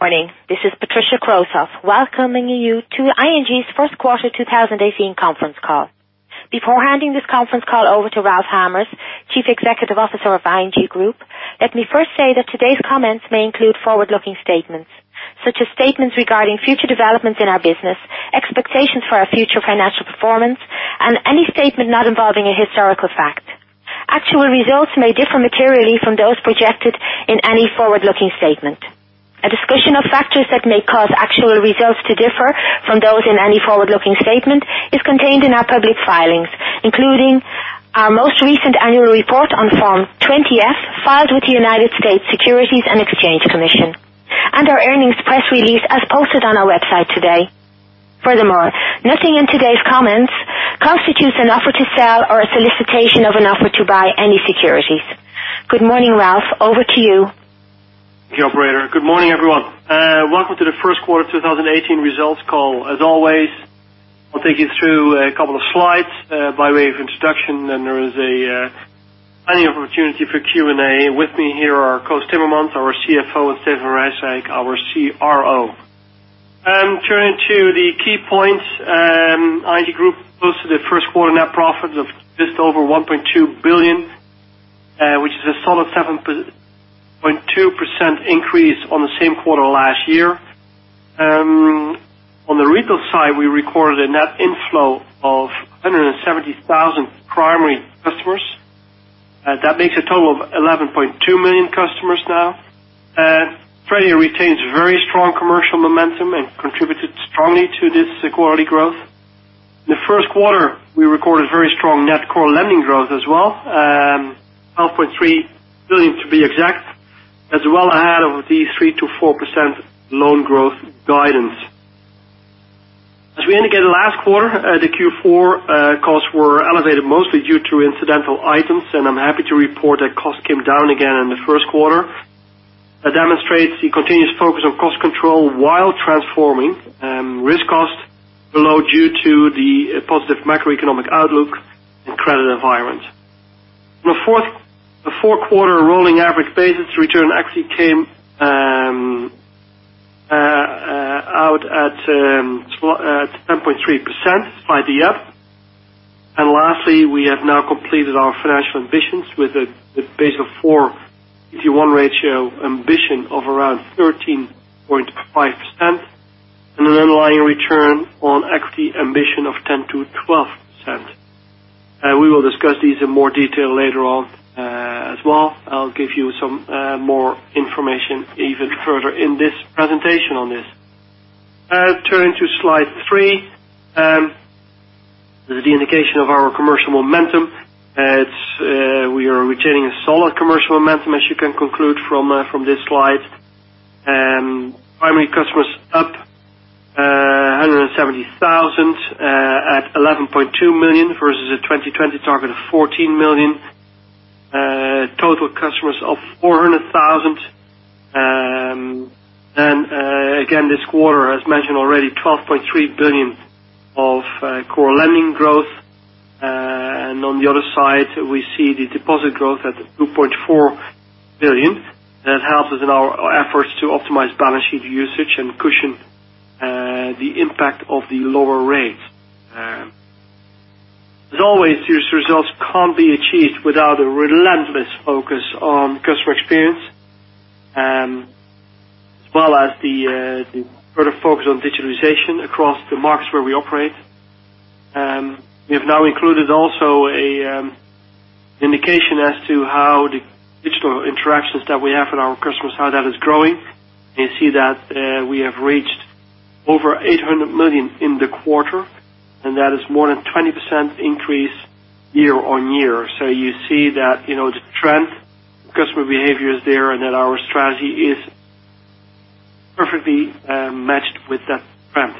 Morning. This is Patricia Kroes, welcoming you to ING's first quarter 2018 conference call. Before handing this conference call over to Ralph Hamers, Chief Executive Officer of ING Groep, let me first say that today's comments may include forward-looking statements, such as statements regarding future developments in our business, expectations for our future financial performance, and any statement not involving a historical fact. Actual results may differ materially from those projected in any forward-looking statement. A discussion of factors that may cause actual results to differ from those in any forward-looking statement is contained in our public filings, including our most recent annual report on Form 20-F, filed with the United States Securities and Exchange Commission, and our earnings press release as posted on our website today. Nothing in today's comments constitutes an offer to sell or a solicitation of an offer to buy any securities. Good morning, Ralph. Over to you. Thank you, operator. Good morning, everyone. Welcome to the first quarter 2018 results call. As always, I will take you through a couple of slides by way of introduction, and there is plenty of opportunity for Q&A. With me here are Koos Timmermans, our CFO, and Steven van Rijswijk, our CRO. Turning to the key points. ING Group posted a first quarter net profit of just over 1.2 billion, which is a solid 7.2% increase on the same quarter last year. On the retail side, we recorded a net inflow of 170,000 primary customers. That makes a total of 11.2 million customers now.[Germany] retains very strong commercial momentum and contributed strongly to this quarterly growth. In the first quarter, we recorded very strong net core lending growth as well, 12.3 billion to be exact, as well ahead of the 3%-4% loan growth guidance. As we indicated last quarter, the Q4 costs were elevated mostly due to incidental items, I'm happy to report that costs came down again in the first quarter. That demonstrates the continuous focus on cost control while transforming risk costs below due to the positive macroeconomic outlook and credit environment. The four quarter rolling average basis return actually came out at 10.3% [by the EF]. Lastly, we have now completed our financial ambitions with a Basel IV CET1 ratio ambition of around 13.5% and an underlying return on equity ambition of 10%-12%. We will discuss these in more detail later on as well. I'll give you some more information even further in this presentation on this. Turning to slide three. This is the indication of our commercial momentum. We are retaining a solid commercial momentum, as you can conclude from this slide. Primary customers up 170,000 at 11.2 million versus a 2020 target of 14 million. Total customers of 400,000. Again, this quarter, as mentioned already, 12.3 billion of core lending growth. On the other side, we see the deposit growth at 2.4 billion. That helps us in our efforts to optimize balance sheet usage and cushion the impact of the lower rates. As always, these results can't be achieved without a relentless focus on customer experience, as well as the further focus on digitalization across the markets where we operate. We have now included also an indication as to how the digital interactions that we have with our customers, how that is growing. You see that we have reached over 800 million in the quarter, and that is more than 20% increase year-on-year. You see that the trend of customer behavior is there and that our strategy is perfectly matched with that trend.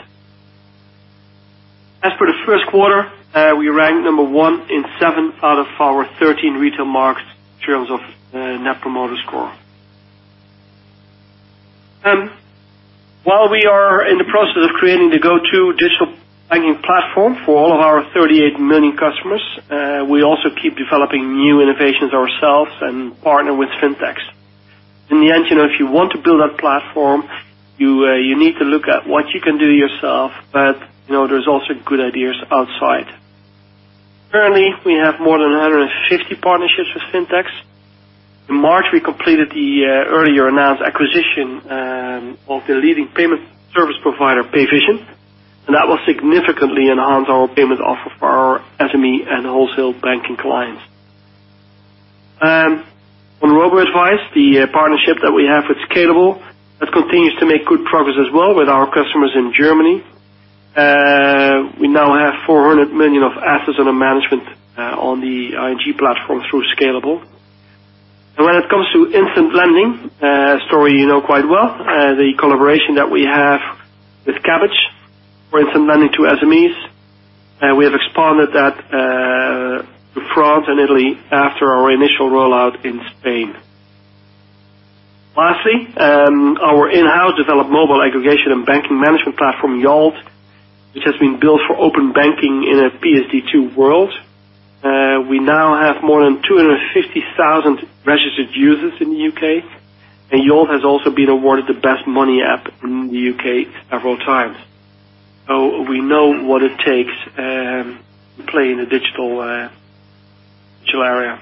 As for the first quarter, we ranked number 1 in 7 out of our 13 retail markets in terms of Net Promoter Score. While we are in the process of creating the go-to digital banking platform for all of our 38 million customers, we also keep developing new innovations ourselves and partner with FinTechs. In the end, if you want to build that platform, you need to look at what you can do yourself, but there's also good ideas outside. Currently, we have more than 150 partnerships with FinTechs. In March, we completed the earlier announced acquisition of the leading payment service provider, Payvision, and that will significantly enhance our payment offer for our SME and Wholesale Banking clients. On robo-advice, the partnership that we have with Scalable, that continues to make good progress as well with our customers in Germany. We now have 400 million of assets under management on the ING platform through Scalable. When it comes to instant lending, a story you know quite well, the collaboration that we have with Kabbage for instant lending to SMEs, we have expanded that to France and Italy after our initial rollout in Spain. Lastly, our in-house developed mobile aggregation and banking management platform, Yolt, which has been built for open banking in a PSD2 world. We now have more than 250,000 registered users in the U.K., and Yolt has also been awarded the best money app in the U.K. several times. We know what it takes to play in a digital area.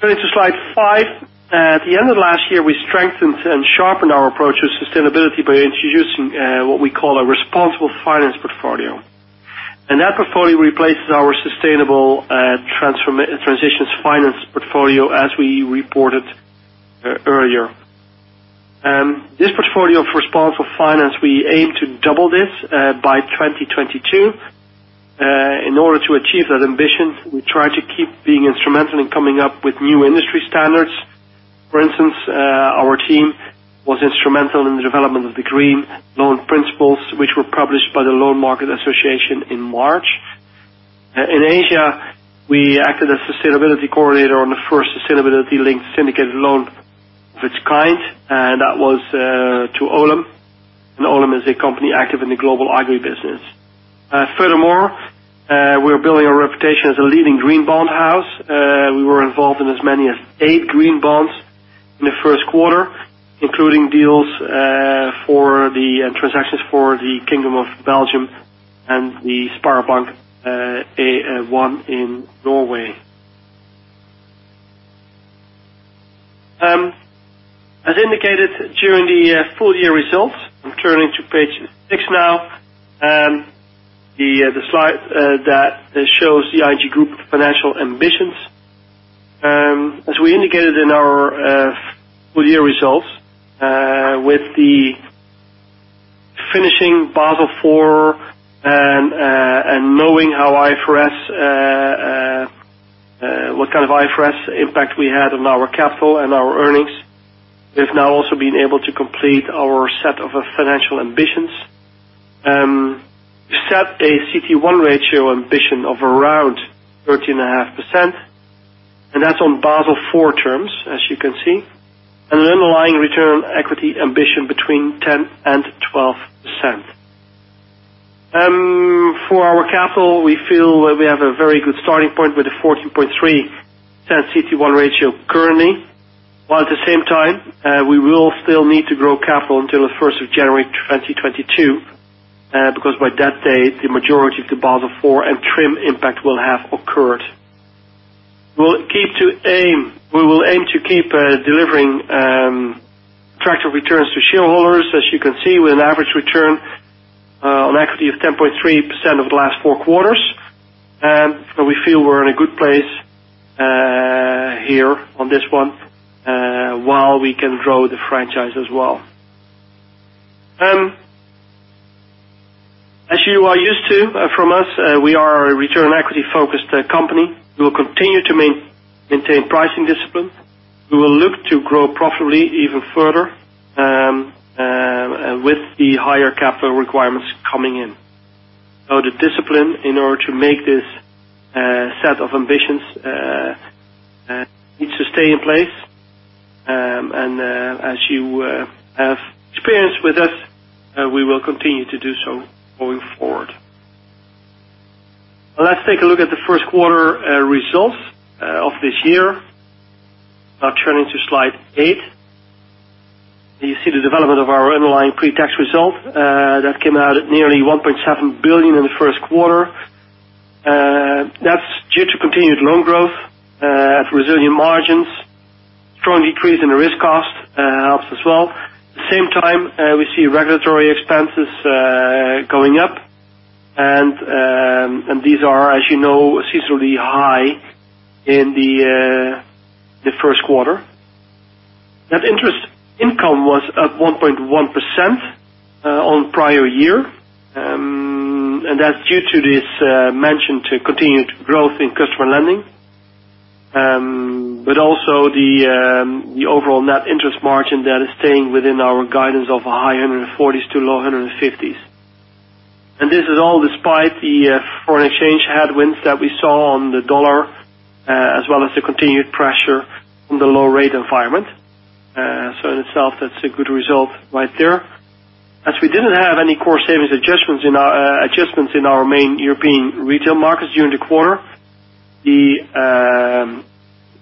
Going to slide five. At the end of last year, we strengthened and sharpened our approach to sustainability by introducing what we call a Responsible Finance portfolio. That portfolio replaces our sustainable transitions finance portfolio, as we reported earlier. This portfolio of Responsible Finance, we aim to double this by 2022. In order to achieve that ambition, we try to keep being instrumental in coming up with new industry standards. For instance, our team was instrumental in the development of the Green Loan Principles, which were published by the Loan Market Association in March. In Asia, we acted as sustainability coordinator on the first sustainability-linked syndicated loan of its kind, and that was to Olam. Olam is a company active in the global agri-business. Furthermore, we're building a reputation as a leading green bond house. We were involved in as many as eight green bonds in the first quarter, including deals for the transactions for the Kingdom of Belgium and the SpareBank 1 in Norway. As indicated during the full-year results, I'm turning to page six now. The slide that shows the ING Groep financial ambitions. As we indicated in our full-year results, with the finishing Basel IV and knowing what kind of IFRS impact we had on our capital and our earnings, we've now also been able to complete our set of financial ambitions. We set a CET1 ratio ambition of around 13.5%, and that's on Basel IV terms, as you can see, and an underlying return equity ambition between 10%-12%. For our capital, we feel we have a very good starting point with the 14.3% CET1 ratio currently. While at the same time, we will still need to grow capital until the 1st of January 2022, because by that date, the majority of the Basel IV and TRIM impact will have occurred. We will aim to keep delivering attractive returns to shareholders. As you can see, with an average return on equity of 10.3% over the last four quarters. We feel we're in a good place here on this one, while we can grow the franchise as well. As you are used to from us, we are a return equity-focused company. We will continue to maintain pricing discipline. We will look to grow profitably even further, with the higher capital requirements coming in. The discipline, in order to make this set of ambitions, needs to stay in place. As you have experience with us, we will continue to do so going forward. Let's take a look at the first quarter results of this year. Now turning to slide eight. You see the development of our underlying pre-tax result that came out at nearly 1.7 billion in the first quarter. That's due to continued loan growth, resilient margins, strong decrease in the risk cost helps as well. At the same time, we see regulatory expenses going up, these are, as you know, seasonally high in the first quarter. Net interest income was up 1.1% on prior year, that's due to this mentioned continued growth in customer lending. Also the overall net interest margin that is staying within our guidance of a high 140s to low 150s. This is all despite the foreign exchange headwinds that we saw on the U.S. dollar, as well as the continued pressure from the low rate environment. In itself, that's a good result right there. As we didn't have any core savings adjustments in our main European retail markets during the quarter, the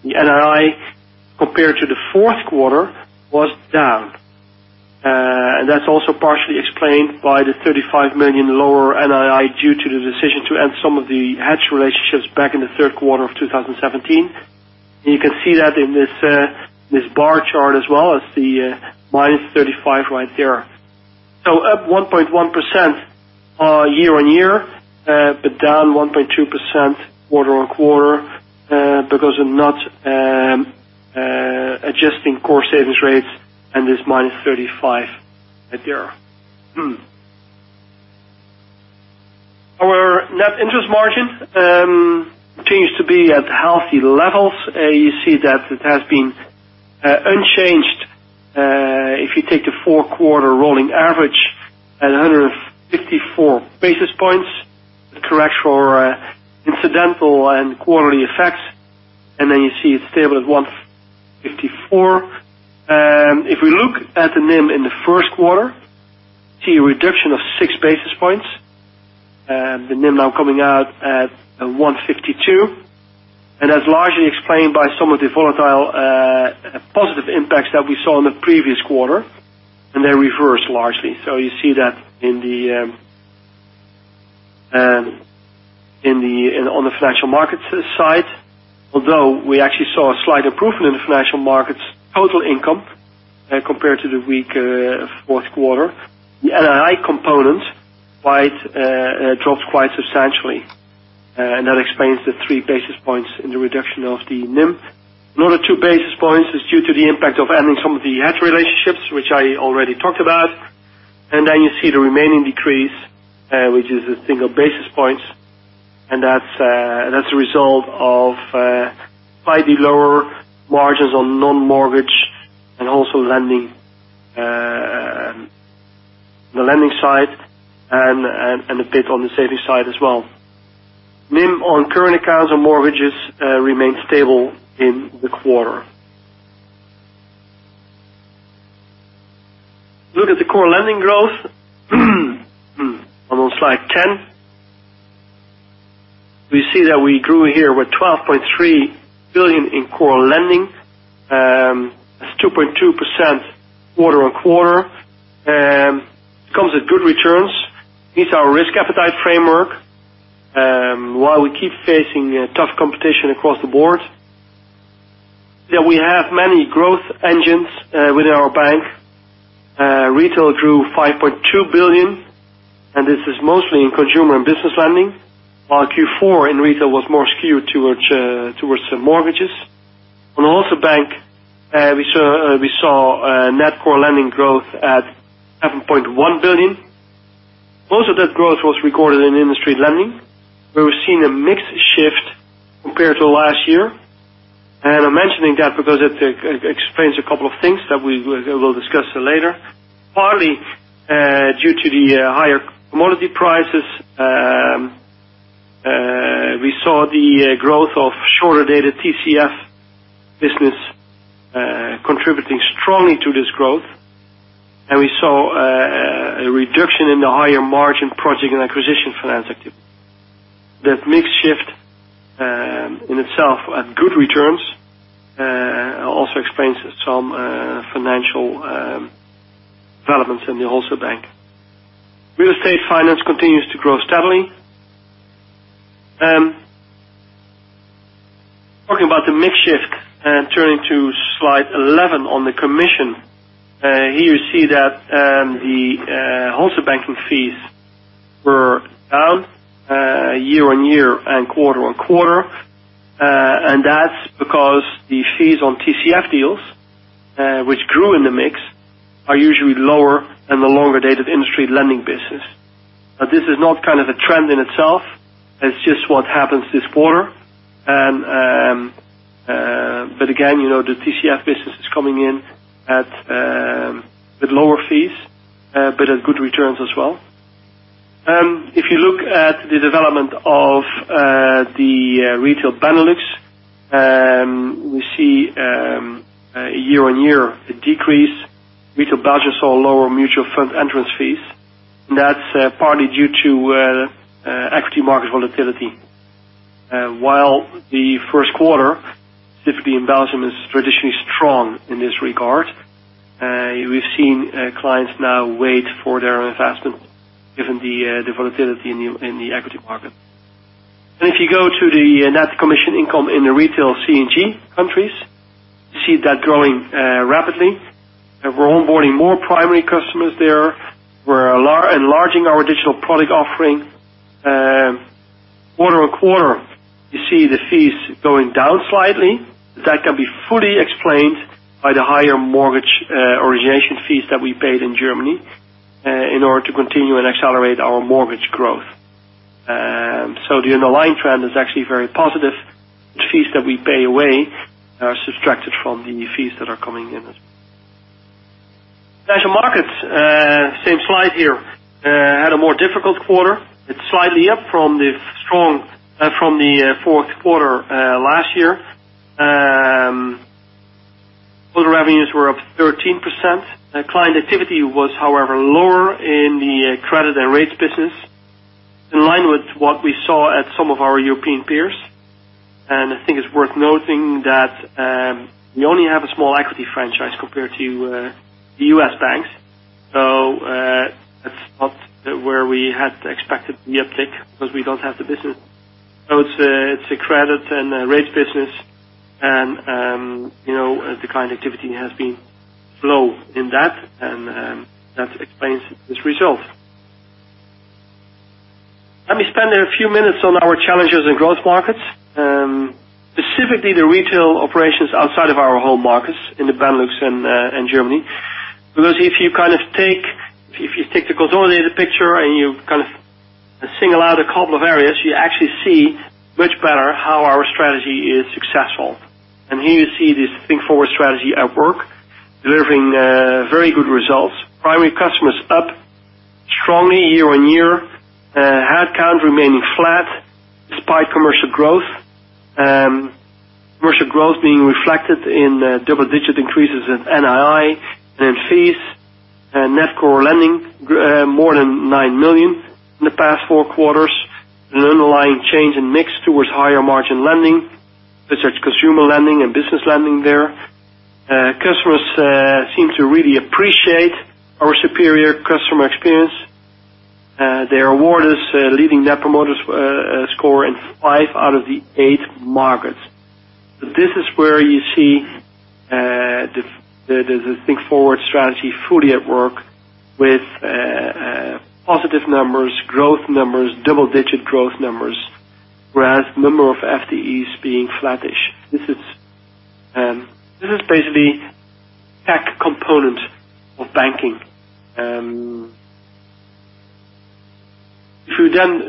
NII, compared to the fourth quarter, was down. That's also partially explained by the 35 million lower NII due to the decision to end some of the hedge relationships back in the third quarter of 2017. You can see that in this bar chart as well as the -35 right there. Up 1.1% year-on-year, but down 1.2% quarter-on-quarter because of not adjusting core savings rates and this -35 right there. Our net interest margin continues to be at healthy levels. You see that it has been unchanged. If you take the four-quarter rolling average at 154 basis points, correct for incidental and quarterly effects. It's stable at 154 basis points. If we look at the NIM in the first quarter, we see a reduction of 6 basis points. The NIM now coming out at 152 basis points, that's largely explained by some of the volatile positive impacts that we saw in the previous quarter, and they reversed largely. You see that on the financial markets side, although we actually saw a slight improvement in the financial markets total income compared to the weak fourth quarter. The NII component dropped quite substantially, that explains the 3 basis points in the reduction of the NIM. Another 2 basis points is due to the impact of ending some of the hedged relationships, which I already talked about. You see the remaining decrease, which is a single basis point, and that's a result of slightly lower margins on non-mortgage and also the lending side, and a bit on the savings side as well. NIM on current accounts and mortgages remained stable in the quarter. Look at the core lending growth on slide 10. We see that we grew here with 12.3 billion in core lending. That's 2.2% quarter-on-quarter. Comes with good returns, meets our risk appetite framework. While we keep facing tough competition across the board, that we have many growth engines within our bank. Retail grew 5.2 billion, this is mostly in consumer and business lending. While Q4 in retail was more skewed towards mortgages. On Wholesale Banking, we saw net core lending growth at 7.1 billion. Most of that growth was recorded in industry lending, where we've seen a mix shift compared to last year. I'm mentioning that because it explains a couple of things that we'll discuss later. Partly due to the higher commodity prices, we saw the growth of shorter-dated TCF business contributing strongly to this growth, and we saw a reduction in the higher margin project and acquisition finance activity. That mix shift in itself had good returns, also explains some financial developments in the Wholesale Banking. Real estate finance continues to grow steadily. Talking about the mix shift and turning to slide 11 on the commission. Here you see that the Wholesale Banking fees were down year-on-year and quarter-on-quarter. That's because the fees on TCF deals, which grew in the mix, are usually lower than the longer dated industry lending business. This is not a trend in itself, it's just what happens this quarter. Again, the TCF business is coming in at lower fees, but at good returns as well. If you look at the development of the Retail Benelux, we see year-on-year a decrease. Retail Belgium saw lower mutual fund entrance fees, and that's partly due to equity market volatility. While the first quarter, typically in Belgium, is traditionally strong in this regard. We've seen clients now wait for their investments given the volatility in the equity market. If you go to the net commission income in the Retail C&G countries, you see that growing rapidly. We're onboarding more primary customers there. We're enlarging our digital product offering. Quarter-on-quarter, you see the fees going down slightly. That can be fully explained by the higher mortgage origination fees that we paid in Germany in order to continue and accelerate our mortgage growth. The underlying trend is actually very positive. The fees that we pay away are subtracted from the fees that are coming in. Financial markets, same slide here. Had a more difficult quarter. It's slightly up from the fourth quarter last year. Total revenues were up 13%. Client activity was, however, lower in the credit and rates business, in line with what we saw at some of our European peers. I think it's worth noting that we only have a small equity franchise compared to the U.S. banks. That's not where we had expected the uptick because we don't have the business. It's a credit and rates business, and the client activity has been low in that, and that explains this result. Let me spend a few minutes on our challenges in growth markets, specifically the retail operations outside of our home markets in the Benelux and Germany. If you take the consolidated picture and you single out a couple of areas, you actually see much better how our strategy is successful. Here you see this Think Forward strategy at work, delivering very good results. Primary customers- Remaining flat despite commercial growth. Commercial growth being reflected in double-digit increases in NII, then fees, net core lending, more than 9 billion in the past four quarters, and an underlying change in mix towards higher margin lending, such as consumer lending and business lending there. Customers seem to really appreciate our superior customer experience. They award us leading Net Promoter Score in five out of the eight markets. This is where you see the Think Forward strategy fully at work with positive numbers, growth numbers, double-digit growth numbers, whereas number of FTEs being flattish. This is basically tech component of banking. We then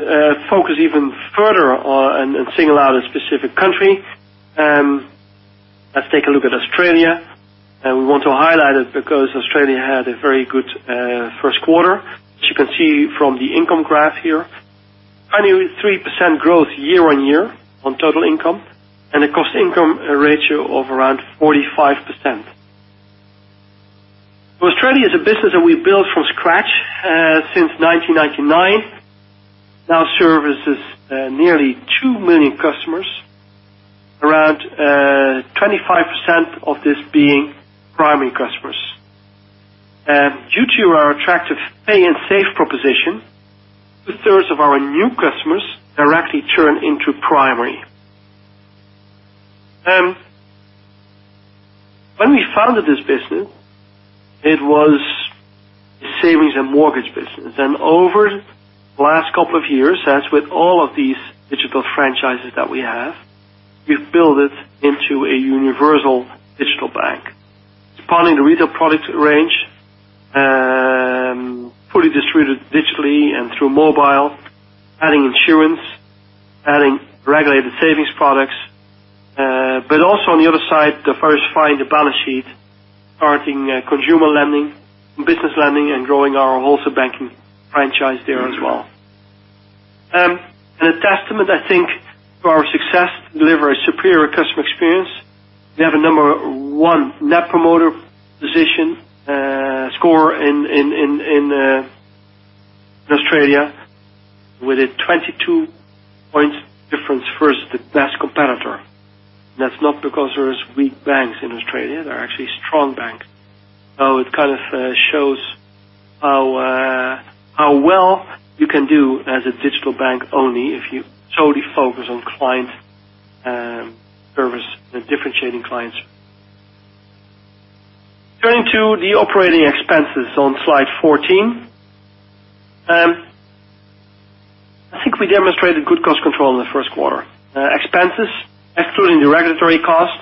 focus even further and single out a specific country, let's take a look at Australia, and we want to highlight it because Australia had a very good first quarter. As you can see from the income graph here, 23% growth year-on-year on total income, and a cost income ratio of around 45%. Australia is a business that we built from scratch since 1999. Now services nearly 2 million customers, around 25% of this being primary customers. Due to our attractive pay and save proposition, two-thirds of our new customers directly turn into primary. When we founded this business, it was a savings and mortgage business. Over the last couple of years, as with all of these digital franchises that we have, we've built it into a universal digital bank. Expanding the retail product range, fully distributed digitally and through mobile, adding insurance, adding regulated savings products. Also on the other side, diversifying the balance sheet, starting consumer lending, business lending, and growing our wholesale banking franchise there as well. A testament, I think, to our success to deliver a superior customer experience, we have a number one Net Promoter Score in Australia with a 22-point difference versus the best competitor. That's not because there is weak banks in Australia, they're actually strong banks. It kind of shows how well you can do as a digital bank only if you totally focus on client service and differentiating clients. Turning to the operating expenses on slide 14. I think we demonstrated good cost control in the first quarter. Expenses, excluding the regulatory cost,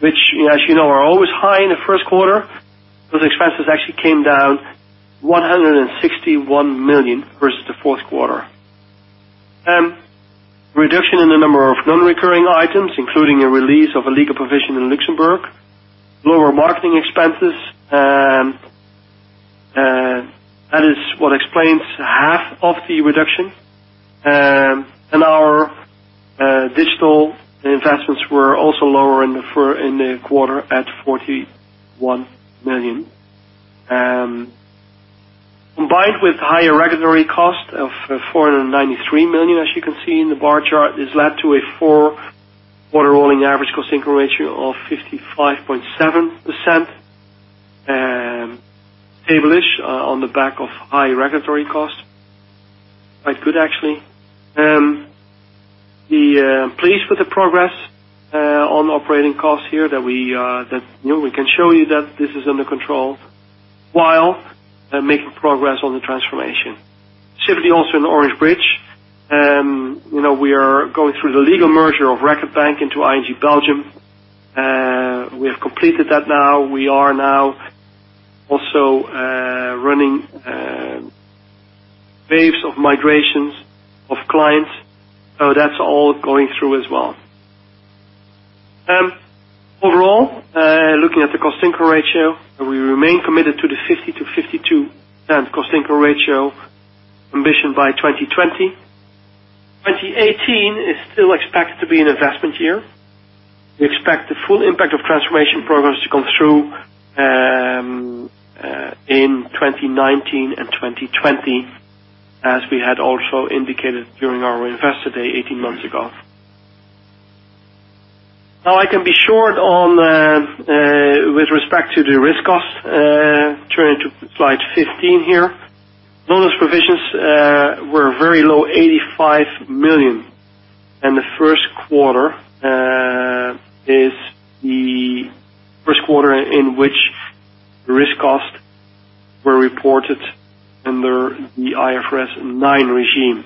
which, as you know, are always high in the first quarter. Those expenses actually came down 161 million versus the fourth quarter. Reduction in the number of non-recurring items, including a release of a legal provision in Luxembourg, lower marketing expenses, that is what explains half of the reduction. Our digital investments were also lower in the quarter at 41 million. Combined with higher regulatory cost of 493 million, as you can see in the bar chart, this led to a four-quarter rolling average cost income ratio of 55.7%, stable-ish on the back of high regulatory costs. Quite good, actually. Pleased with the progress on operating costs here that we can show you that this is under control while making progress on the transformation. Similarly, also in Orange Business Services. We are going through the legal merger of Record Bank into ING Belgium. We have completed that now. We are now also running waves of migrations of clients. That's all going through as well. Overall, looking at the cost income ratio, we remain committed to the 50%-52% cost income ratio ambition by 2020. 2018 is still expected to be an investment year. We expect the full impact of transformation programs to come through in 2019 and 2020, as we had also indicated during our Investor Day 18 months ago. I can be short with respect to the risk cost. Turning to slide 15 here. Loans provisions were a very low 85 million. The first quarter is the first quarter in which risk costs were reported under the IFRS 9 regime,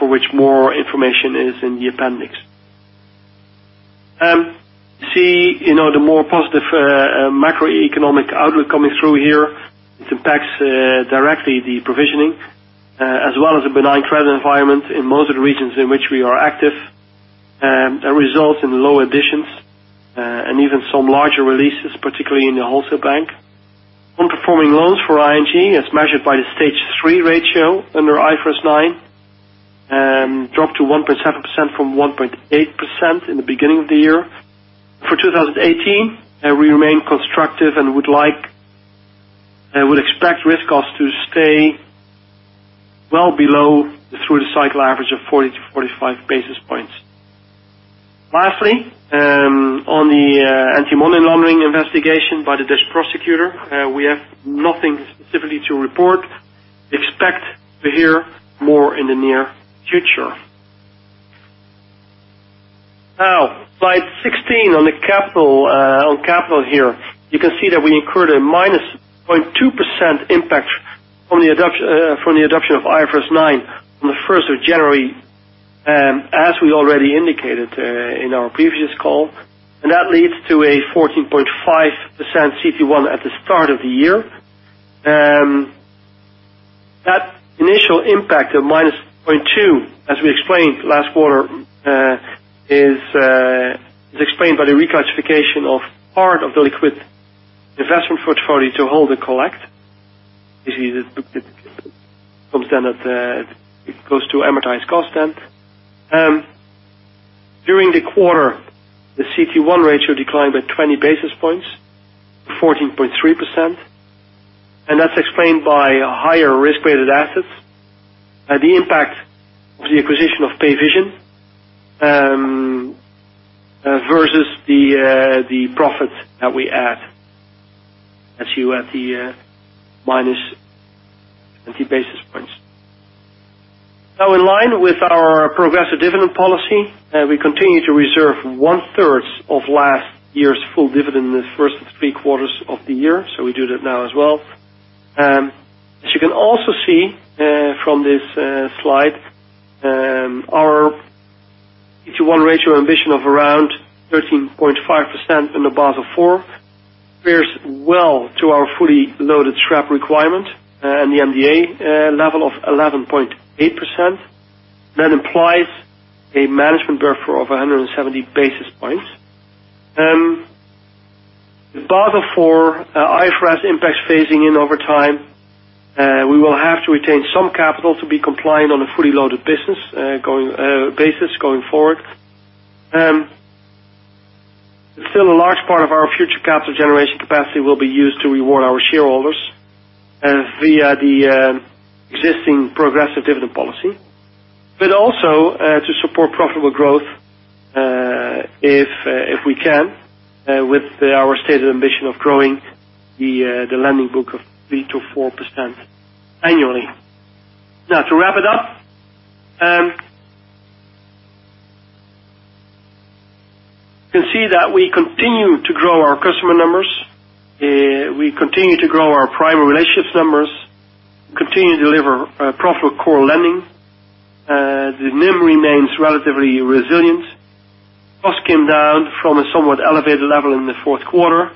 for which more information is in the appendix. See the more positive macroeconomic outlook coming through here. It impacts directly the provisioning, as well as the benign credit environment in most of the regions in which we are active, that results in low additions. Some larger releases, particularly in the wholesale bank. Underperforming loans for ING as measured by the Stage 3 ratio under IFRS 9, dropped to 1.7% from 1.8% in the beginning of the year. For 2018, we remain constructive and would expect risk costs to stay well below through the cycle average of 40-45 basis points. Lastly, on the anti-money laundering investigation by the Dutch prosecutor, we have nothing specifically to report. Expect to hear more in the near future. Slide 16 on capital here. You can see that we incurred a minus 0.2% impact from the adoption of IFRS 9 on the 1st of January, as we already indicated in our previous call. That leads to a 14.5% CET1 at the start of the year. That initial impact of minus 0.2%, as we explained last quarter, is explained by the reclassification of part of the liquid investment portfolio to hold and collect. It goes to amortized cost then. During the quarter, the CET1 ratio declined by 20 basis points to 14.3%, and that is explained by higher Risk-Weighted Assets. The impact of the acquisition of Payvision versus the profit that we had, as you had the minus 20 basis points. In line with our progressive dividend policy, we continue to reserve one third of last year's full dividend in the first three quarters of the year. We do that now as well. As you can also see from this slide, our CET1 ratio ambition of around 13.5% in the Basel IV fares well to our fully loaded SREP requirement and the MDA level of 11.8%. That implies a management buffer of 170 basis points. With Basel IV, IFRS impacts phasing in over time. We will have to retain some capital to be compliant on a fully loaded basis going forward. Still, a large part of our future capital generation capacity will be used to reward our shareholders via the existing progressive dividend policy, but also to support profitable growth if we can, with our stated ambition of growing the lending book of 3%-4% annually. To wrap it up. You can see that we continue to grow our customer numbers, we continue to grow our primary relationships numbers, we continue to deliver profitable core lending. The NIM remains relatively resilient. Cost came down from a somewhat elevated level in the fourth quarter.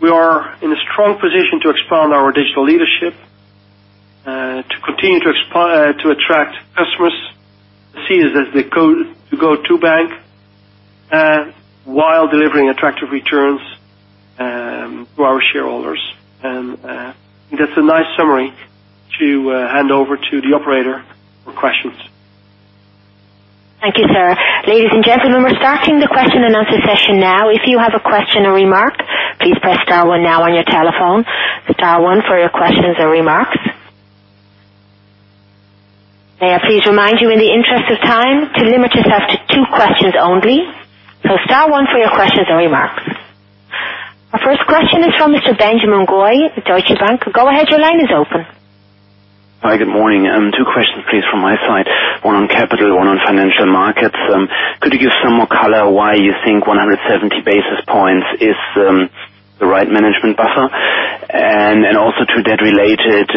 We are in a strong position to expand our digital leadership, to continue to attract customers, who see us as the go-to bank, while delivering attractive returns to our shareholders. That is a nice summary to hand over to the operator for questions. Thank you, sir. Ladies and gentlemen, we are starting the question and answer session now. If you have a question or remark, please press star one now on your telephone. Star one for your questions or remarks. May I please remind you, in the interest of time, to limit yourself to two questions only. Star one for your questions or remarks. Our first question is from Mr. Benjamin Goy, Deutsche Bank. Go ahead, your line is open. Hi, good morning. Two questions please from my side. One on capital, one on financial markets. Could you give some more color why you think 170 basis points is the right management buffer? Also to that related,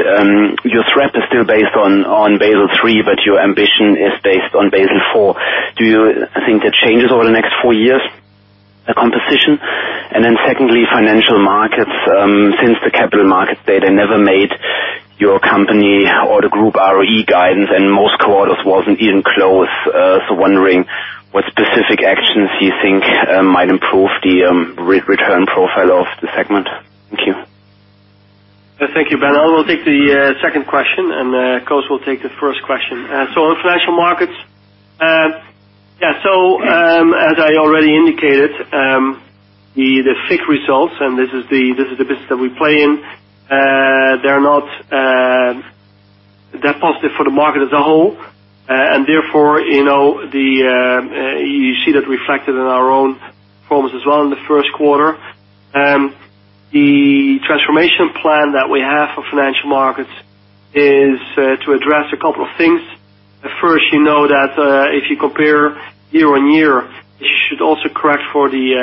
your SREP is still based on Basel III, but your ambition is based on Basel IV. Do you think that changes over the next four years, the composition? Secondly, financial markets, since the capital markets data never made your company or the group ROE guidance and most quarters wasn't even close. Wondering what specific actions you think might improve the risk return profile of the segment. Thank you. Thank you, Ben. I will take the second question, and Koos will take the first question. On financial markets. As I already indicated, the FIC results, and this is the business that we play in, they're not that positive for the market as a whole. Therefore, you see that reflected in our own performance as well in the first quarter. The transformation plan that we have for financial markets is to address a couple of things. First, you know that if you compare year-over-year, you should also correct for the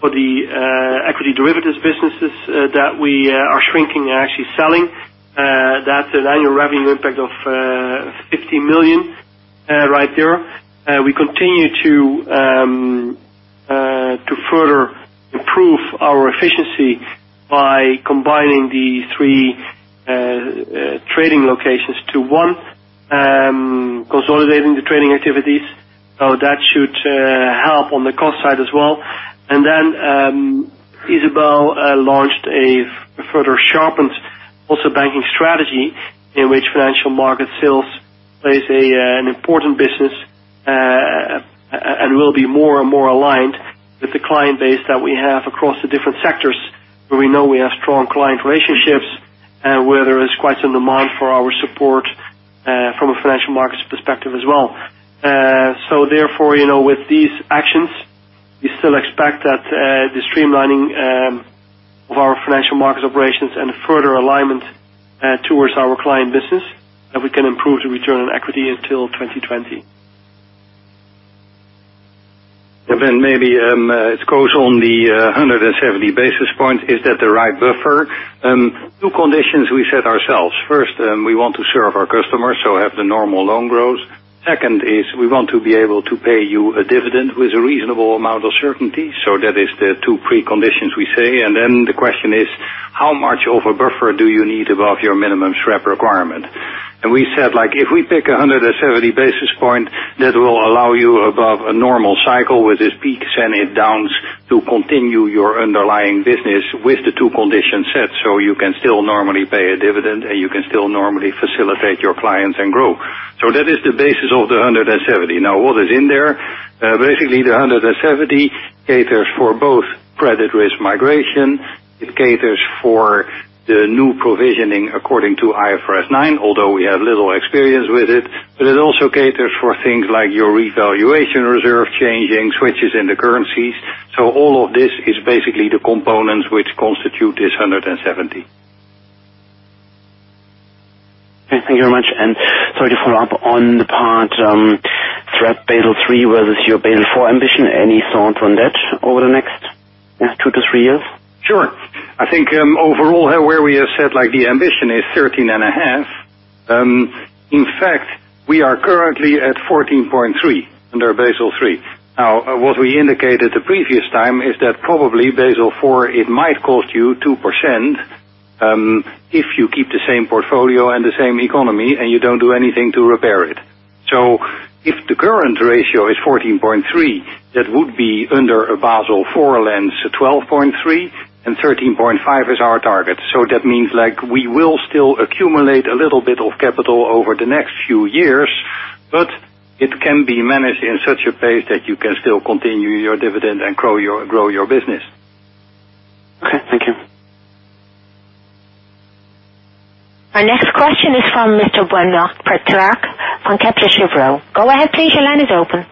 equity derivatives businesses that we are shrinking and actually selling. That's an annual revenue impact of 15 million right there. We continue to further improve our efficiency by combining the three trading locations to one, consolidating the trading activities. That should help on the cost side as well. Isabel launched a further sharpened also banking strategy, in which financial market sales plays an important business, and will be more and more aligned with the client base that we have across the different sectors, where we know we have strong client relationships, where there is quite some demand for our support, from a financial markets perspective as well. Therefore, with these actions, we still expect that the streamlining of our financial markets operations and a further alignment towards our client business, that we can improve the return on equity until 2020. Maybe, it goes on the 170 basis points. Is that the right buffer? Two conditions we set ourselves. First, we want to serve our customers, so have the normal loan growth. Second is we want to be able to pay you a dividend with a reasonable amount of certainty. That is the two preconditions we say. The question is, how much of a buffer do you need above your minimum SREP requirement? We said, if we pick 170 basis point, that will allow you above a normal cycle with its peaks and its downs to continue your underlying business with the two conditions set. You can still normally pay a dividend, and you can still normally facilitate your clients and grow. That is the basis of the 170. What is in there, basically the 170 basis points caters for both credit risk migration, it caters for the new provisioning according to IFRS 9, although we have little experience with it. It also caters for things like your revaluation reserve changing, switches in the currencies. All of this is basically the components which constitute this 170 basis points. Okay. Thank you very much. Sorry to follow up on the part, SREP Basel III versus your Basel IV ambition. Any thought on that over the next two to three years? Sure. I think, overall, where we have said the ambition is 13.5%. In fact, we are currently at 14.3% under Basel III. What we indicated the previous time is that probably Basel IV, it might cost you 2%, if you keep the same portfolio and the same economy and you don't do anything to repair it. If the current ratio is 14.3%, that would be under a Basel IV lens, a 12.3% and 13.5% is our target. That means we will still accumulate a little bit of capital over the next few years, but it can be managed in such a pace that you can still continue your dividend and grow your business. Okay. Thank you. Our next question is from Mr. Benoît Pétrarque on Kepler Cheuvreux. Go ahead please, your line is open.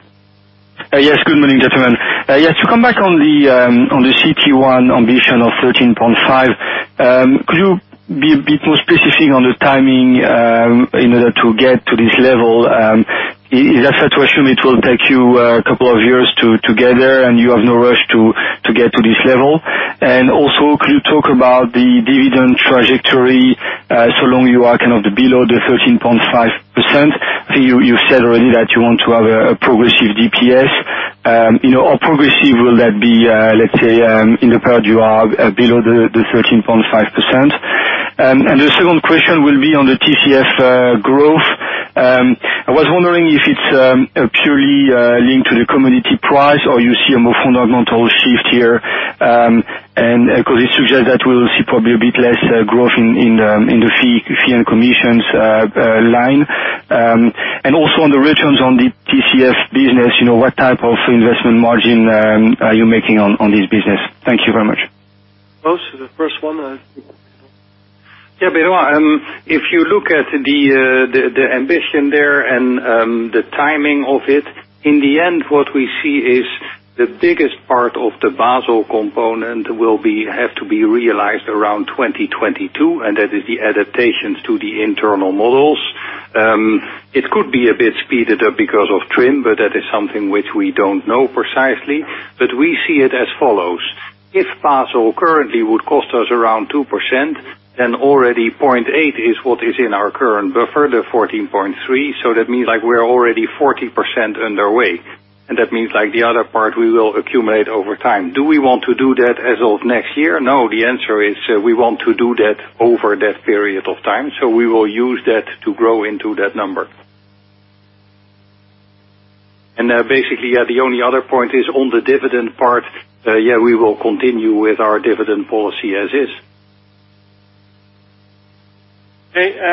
Yes. Good morning, gentlemen. Yes, to come back on the CET1 ambition of 13.5%. Could you be a bit more specific on the timing, in order to get to this level? Is that situation, it will take you a couple of years to gather, and you have no rush to get to this level. Also, could you talk about the dividend trajectory, so long you are below the 13.5%? I think you said already that you want to have a progressive DPS. How progressive will that be, let's say, in the period you are below the 13.5%? The second question will be on the TCF growth. I was wondering if it's purely linked to the commodity price or you see a more fundamental shift here, because it suggests that we'll see probably a bit less growth in the fee and commissions line. Also, on the returns on the TCF business, what type of investment margin are you making on this business? Thank you very much. Most of the first one. Yes, Benoît, if you look at the ambition there and the timing of it, in the end, what we see is the biggest part of the Basel component will have to be realized around 2022, and that is the adaptations to the internal models. It could be a bit speeded up because of TRIM, but that is something which we don't know precisely, but we see it as follows. If Basel currently would cost us around 2%, then already 0.8% is what is in our current buffer, the 14.3%, so that means we are already 40% underway. That means the other part, we will accumulate over time. Do we want to do that as of next year? No, the answer is, we want to do that over that period of time. We will use that to grow into that number. The only other point is on the dividend part. We will continue with our dividend policy as is. Okay.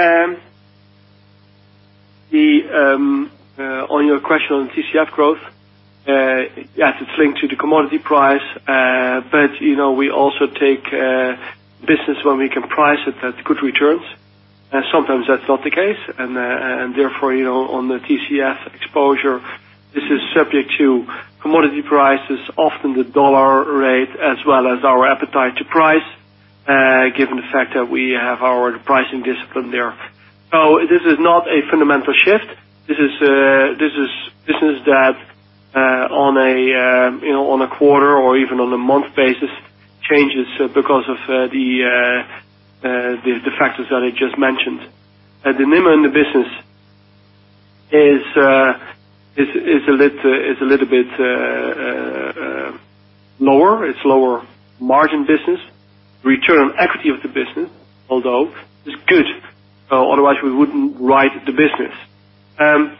On your question on TCF growth, yes, it's linked to the commodity price. We also take business when we can price it at good returns. Sometimes that's not the case. Therefore, on the TCF exposure, this is subject to commodity prices, often the USD rate as well as our appetite to price, given the fact that we have our pricing discipline there. This is not a fundamental shift. This is that, on a quarter or even on a month basis, changes because of the factors that I just mentioned. The NIM in the business. It's a little bit lower. It's lower margin business. Return on equity of the business, although, is good. Otherwise, we wouldn't write the business. On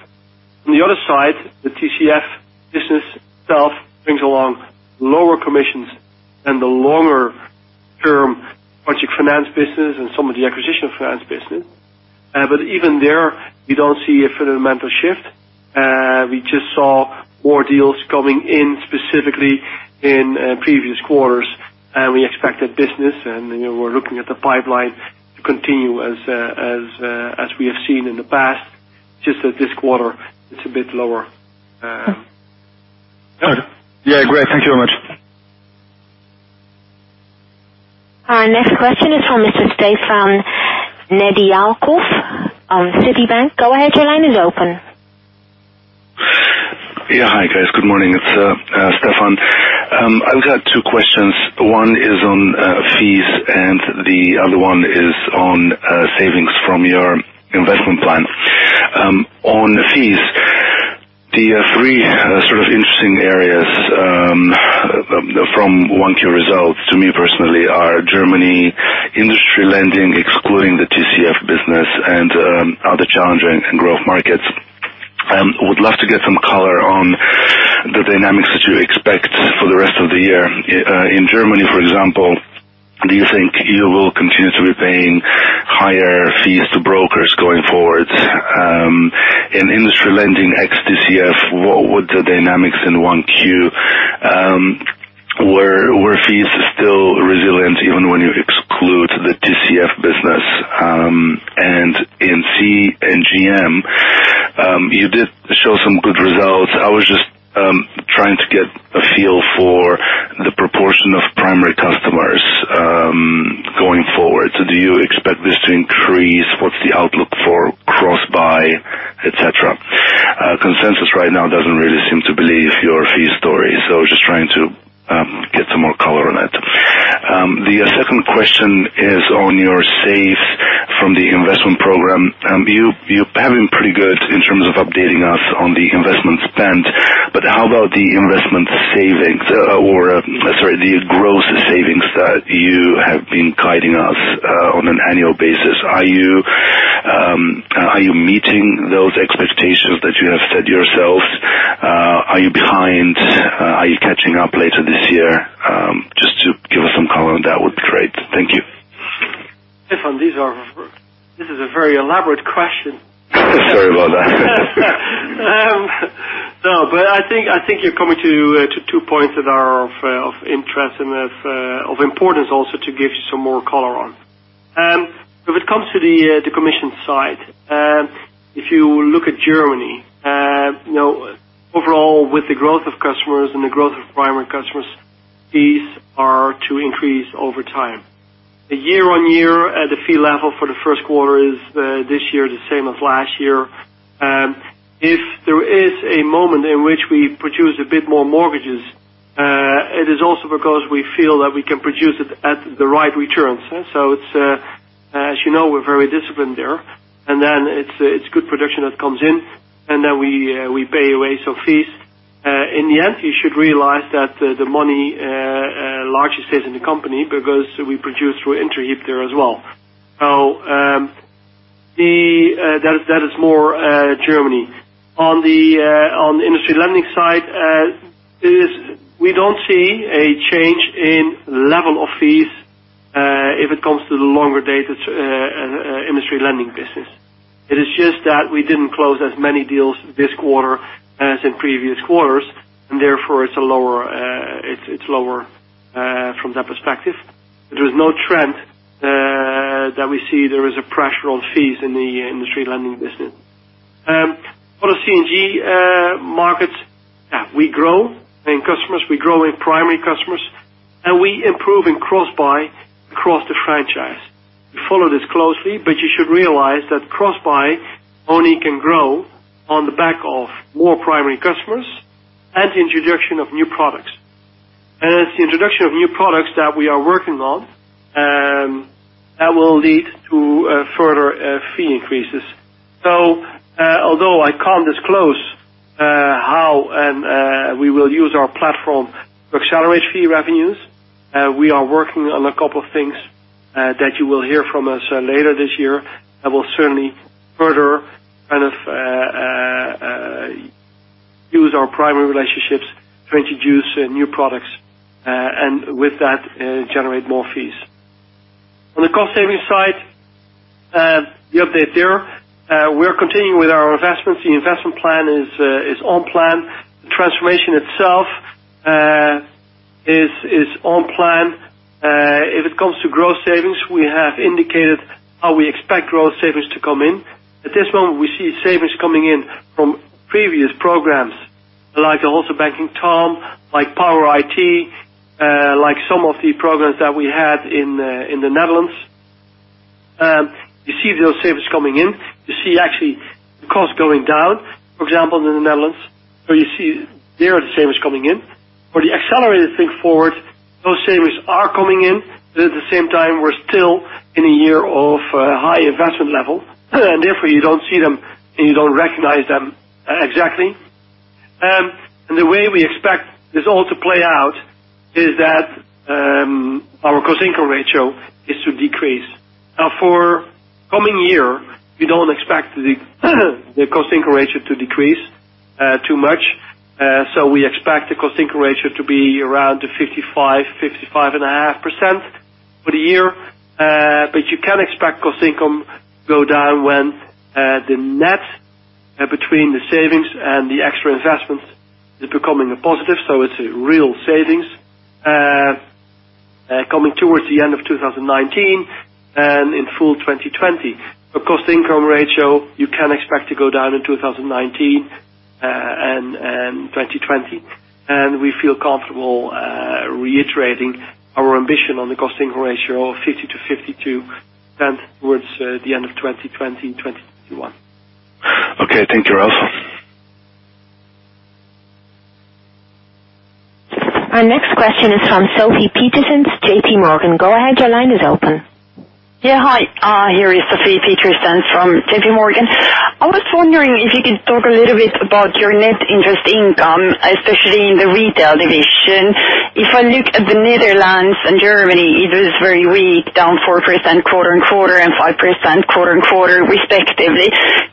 the other side, the TCF business itself brings along lower commissions and the longer-term project finance business and some of the acquisition finance business. Even there, we don't see a fundamental shift. We just saw more deals coming in, specifically in previous quarters. We expect that business, and we're looking at the pipeline to continue as we have seen in the past, just that this quarter, it's a bit lower. Great. Thank you very much. Our next question is from Stefan Nedialkov on Citigroup. Go ahead, your line is open. Yeah. Hi, guys. Good morning. It's Stefan. I've got two questions. One is on fees, and the other one is on savings from your investment plan. On fees, the three interesting areas from 1Q results to me personally are Germany industry lending, excluding the TCF business, and other challenging growth markets. I would love to get some color on the dynamics that you expect for the rest of the year. In Germany, for example, do you think you will continue to be paying higher fees to brokers going forward? In industry lending ex TCF, what were the dynamics in 1Q? Were fees still resilient even when you exclude the TCF business? In C&GM, you did show some good results. I was just trying to get a feel for the proportion of primary customers going forward. Do you expect this to increase? What's the outlook for cross-buy, et cetera? Consensus right now doesn't really seem to believe your fee story, just trying to get some more color on it. The second question is on your saves from the investment program. You have been pretty good in terms of updating us on the investment spend. How about the investment savings or, sorry, the gross savings that you have been guiding us on an annual basis. Are you meeting those expectations that you have set yourselves? Are you behind? Are you catching up later this year? Just to give us some color on that would be great. Thank you. Stefan, this is a very elaborate question. Sorry about that. I think you're coming to two points that are of interest and of importance also to give you some more color on. If it comes to the commission side, if you look at Germany, overall with the growth of customers and the growth of primary customers, fees are to increase over time. The year-on-year, the fee level for the first quarter this year is the same as last year. If there is a moment in which we produce a bit more mortgages, it is also because we feel that we can produce it at the right returns. As you know, we're very disciplined there. It's good production that comes in, and then we pay away some fees. In the end, you should realize that the money largely stays in the company because we produce through Interhyp there as well. That is more Germany. On the industry lending side, we don't see a change in level of fees if it comes to the longer data industry lending business. It is just that we didn't close as many deals this quarter as in previous quarters, and therefore it's lower from that perspective. There is no trend that we see there is a pressure on fees in the industry lending business. For the C&G markets, we grow in customers, we grow in primary customers, and we improve in cross-buy across the franchise. We follow this closely, but you should realize that cross-buy only can grow on the back of more primary customers and the introduction of new products. It's the introduction of new products that we are working on that will lead to further fee increases. Although I can't disclose how we will use our platform to accelerate fee revenues, we are working on a couple of things that you will hear from us later this year that will certainly further use our primary relationships to introduce new products, and with that, generate more fees. On the cost-saving side, the update there, we're continuing with our investments. The investment plan is on plan. The transformation itself is on plan. If it comes to growth savings, we have indicated how we expect growth savings to come in. At this moment, we see savings coming in from previous programs like the Wholesale Banking TOM, like Power IT, like some of the programs that we had in the Netherlands. You see those savings coming in. You see actually the cost going down, for example, in the Netherlands. You see there are the savings coming in. For the Accelerated Think Forward, those savings are coming in, but at the same time, we're still year of high investment level, therefore you don't see them and you don't recognize them exactly. The way we expect this all to play out is that our cost-income ratio is to decrease. For coming year, we don't expect the cost-income ratio to decrease too much. We expect the cost-income ratio to be around 55.5% for the year. You can expect cost income go down when the net between the savings and the extra investments is becoming a positive, so it's a real savings, coming towards the end of 2019 and in full 2020. Our cost-income ratio, you can expect to go down in 2019 and 2020. We feel comfortable reiterating our ambition on the cost-income ratio of 50%-52% towards the end of 2020 and 2021. Okay. Thank you, Ralph. Our next question is from Sophie Peterson, JPMorgan. Go ahead, your line is open. Yeah. Hi, here is Sophie Peterson from JPMorgan. I was wondering if you could talk a little bit about your net interest income, especially in the retail division. If I look at the Netherlands and Germany, it was very weak, down 4% quarter-on-quarter and 5% quarter-on-quarter respectively.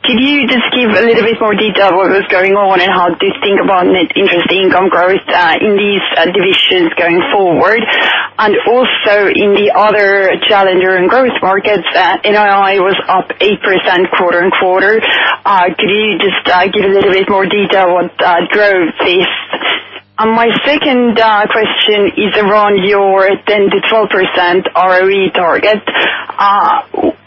Could you just give a little bit more detail on what's going on and how you think about net interest income growth in these divisions going forward? Also, in the other challenger and growth markets, NII was up 8% quarter-on-quarter. Could you just give a little bit more detail what drove this? My second question is around your 10%-12% ROE target.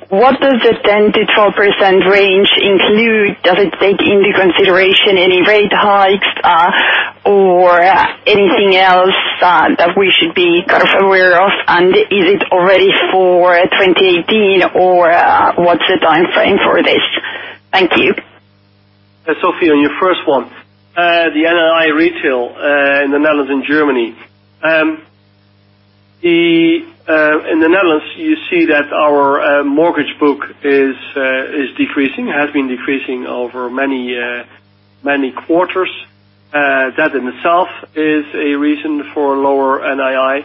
What does the 10%-12% range include? Does it take into consideration any rate hikes, or anything else that we should be careful aware of? Is it already for 2018, or what's the timeframe for this? Thank you. Sophie, on your first one, the NII retail, in the Netherlands and Germany. In the Netherlands, you see that our mortgage book is decreasing, has been decreasing over many quarters. That in itself is a reason for lower NII.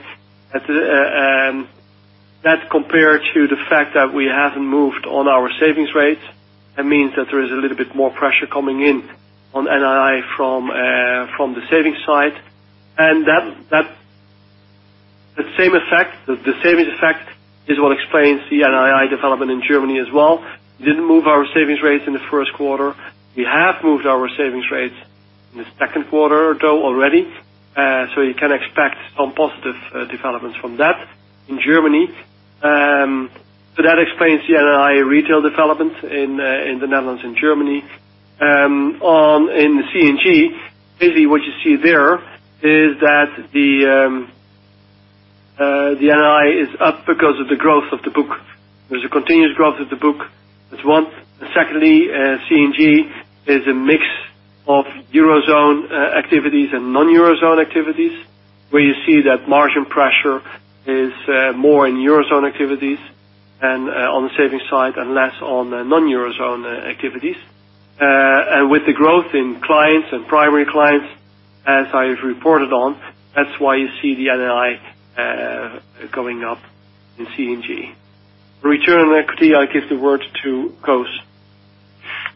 That compared to the fact that we haven't moved on our savings rates, it means that there is a little bit more pressure coming in on NII from the savings side. The same effect, the savings effect, is what explains the NII development in Germany as well. We didn't move our savings rates in the first quarter. We have moved our savings rates in the second quarter though already, so you can expect some positive developments from that in Germany. That explains the NII retail development in the Netherlands and Germany. In the C&G, basically what you see there is that the NII is up because of the growth of the book. There's a continuous growth of the book, that's one. Secondly, C&G is a mix of eurozone activities and non-eurozone activities, where you see that margin pressure is more in eurozone activities and on the savings side, and less on the non-eurozone activities. With the growth in clients and primary clients, as I have reported on, that's why you see the NII going up in C&G. Return on equity, I give the word to Koos.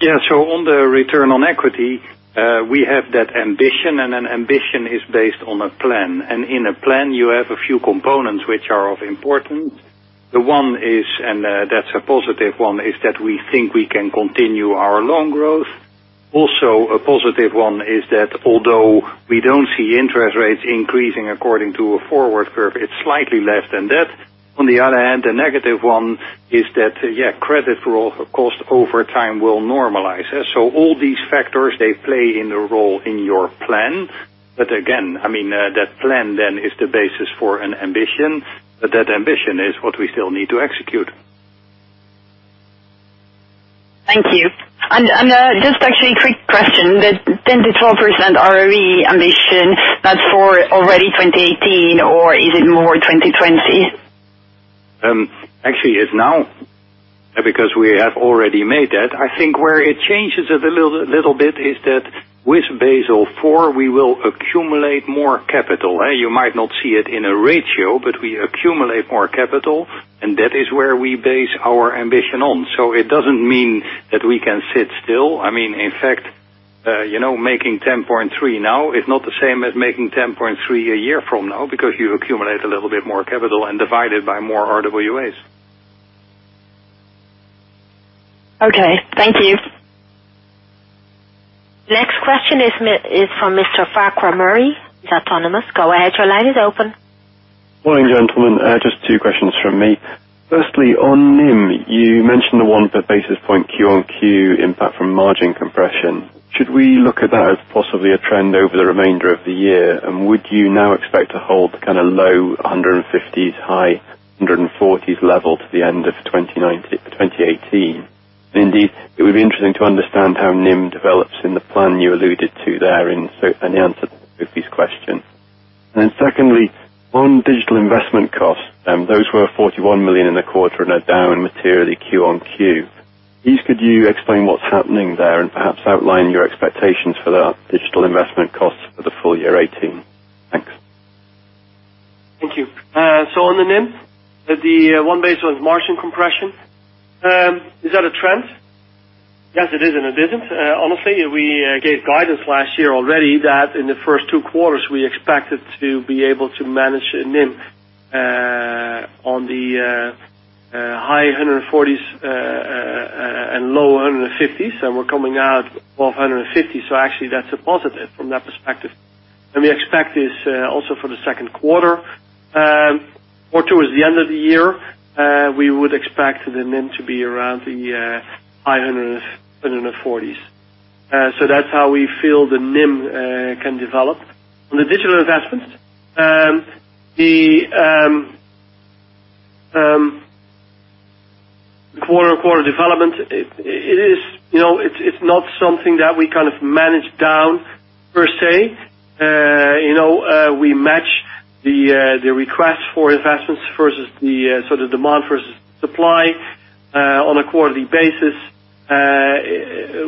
Yeah. On the return on equity, we have that ambition, an ambition is based on a plan. In a plan, you have a few components which are of importance. The one is, and that's a positive one, is that we think we can continue our loan growth. Also, a positive one is that although we don't see interest rates increasing according to a forward curve, it's slightly less than that. On the other hand, the negative one is that credit growth, of course, over time will normalize. All these factors, they play in a role in your plan. Again, that plan then is the basis for an ambition, but that ambition is what we still need to execute. Thank you. Just actually a quick question. The 10%-12% ROE ambition, that's for already 2018 or is it more 2020? Actually, it's now because we have already made that. I think where it changes it a little bit is that with Basel IV, we will accumulate more capital. You might not see it in a ratio, but we accumulate more capital, that is where we base our ambition on. It doesn't mean that we can sit still. In fact, making 10.3% now is not the same as making 10.3% a year from now because you accumulate a little bit more capital and divide it by more RWAs. Okay. Thank you. Next question is from Mr. Farquhar Murray at Autonomous. Go ahead, your line is open. Morning, gentlemen. Just 2 questions from me. Firstly, on NIM, you mentioned the 1 basis point quarter-over-quarter impact from margin compression. Should we look at that as possibly a trend over the remainder of the year? Would you now expect to hold kind of low 150s, high 140s level to the end of 2019, 2018? It would be interesting to understand how NIM develops in the plan you alluded to there in answer to Sophie's question. Secondly, on digital investment costs, those were 41 million in the quarter and are down materially quarter-over-quarter. Could you explain what's happening there and perhaps outline your expectations for the digital investment costs for the full year 2018? Thanks. Thank you. On the NIM, the 1 basis point margin compression. Is that a trend? Yes, it is, and it isn't. Honestly, we gave guidance last year already that in the first 2 quarters, we expected to be able to manage a NIM on the high 140s and low 150s, and we're coming out of 150. Actually that's a positive from that perspective. We expect this also for the second quarter. Towards the end of the year, we would expect the NIM to be around the high 140s. That's how we feel the NIM can develop. On the digital investment, the quarter-over-quarter development, it's not something that we manage down per se. We match the request for investments versus the demand versus supply on a quarterly basis.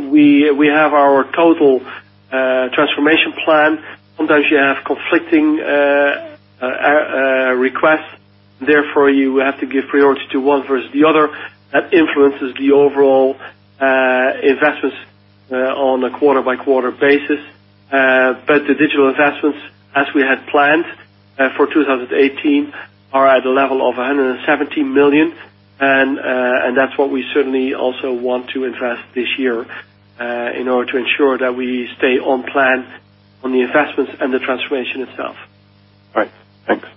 We have our total transformation plan. Sometimes you have conflicting requests, therefore you have to give priority to one versus the other. That influences the overall investments on a quarter-by-quarter basis. The digital investments, as we had planned for 2018, are at a level of 117 million, and that's what we certainly also want to invest this year in order to ensure that we stay on plan on the investments and the transformation itself. Right. Thanks.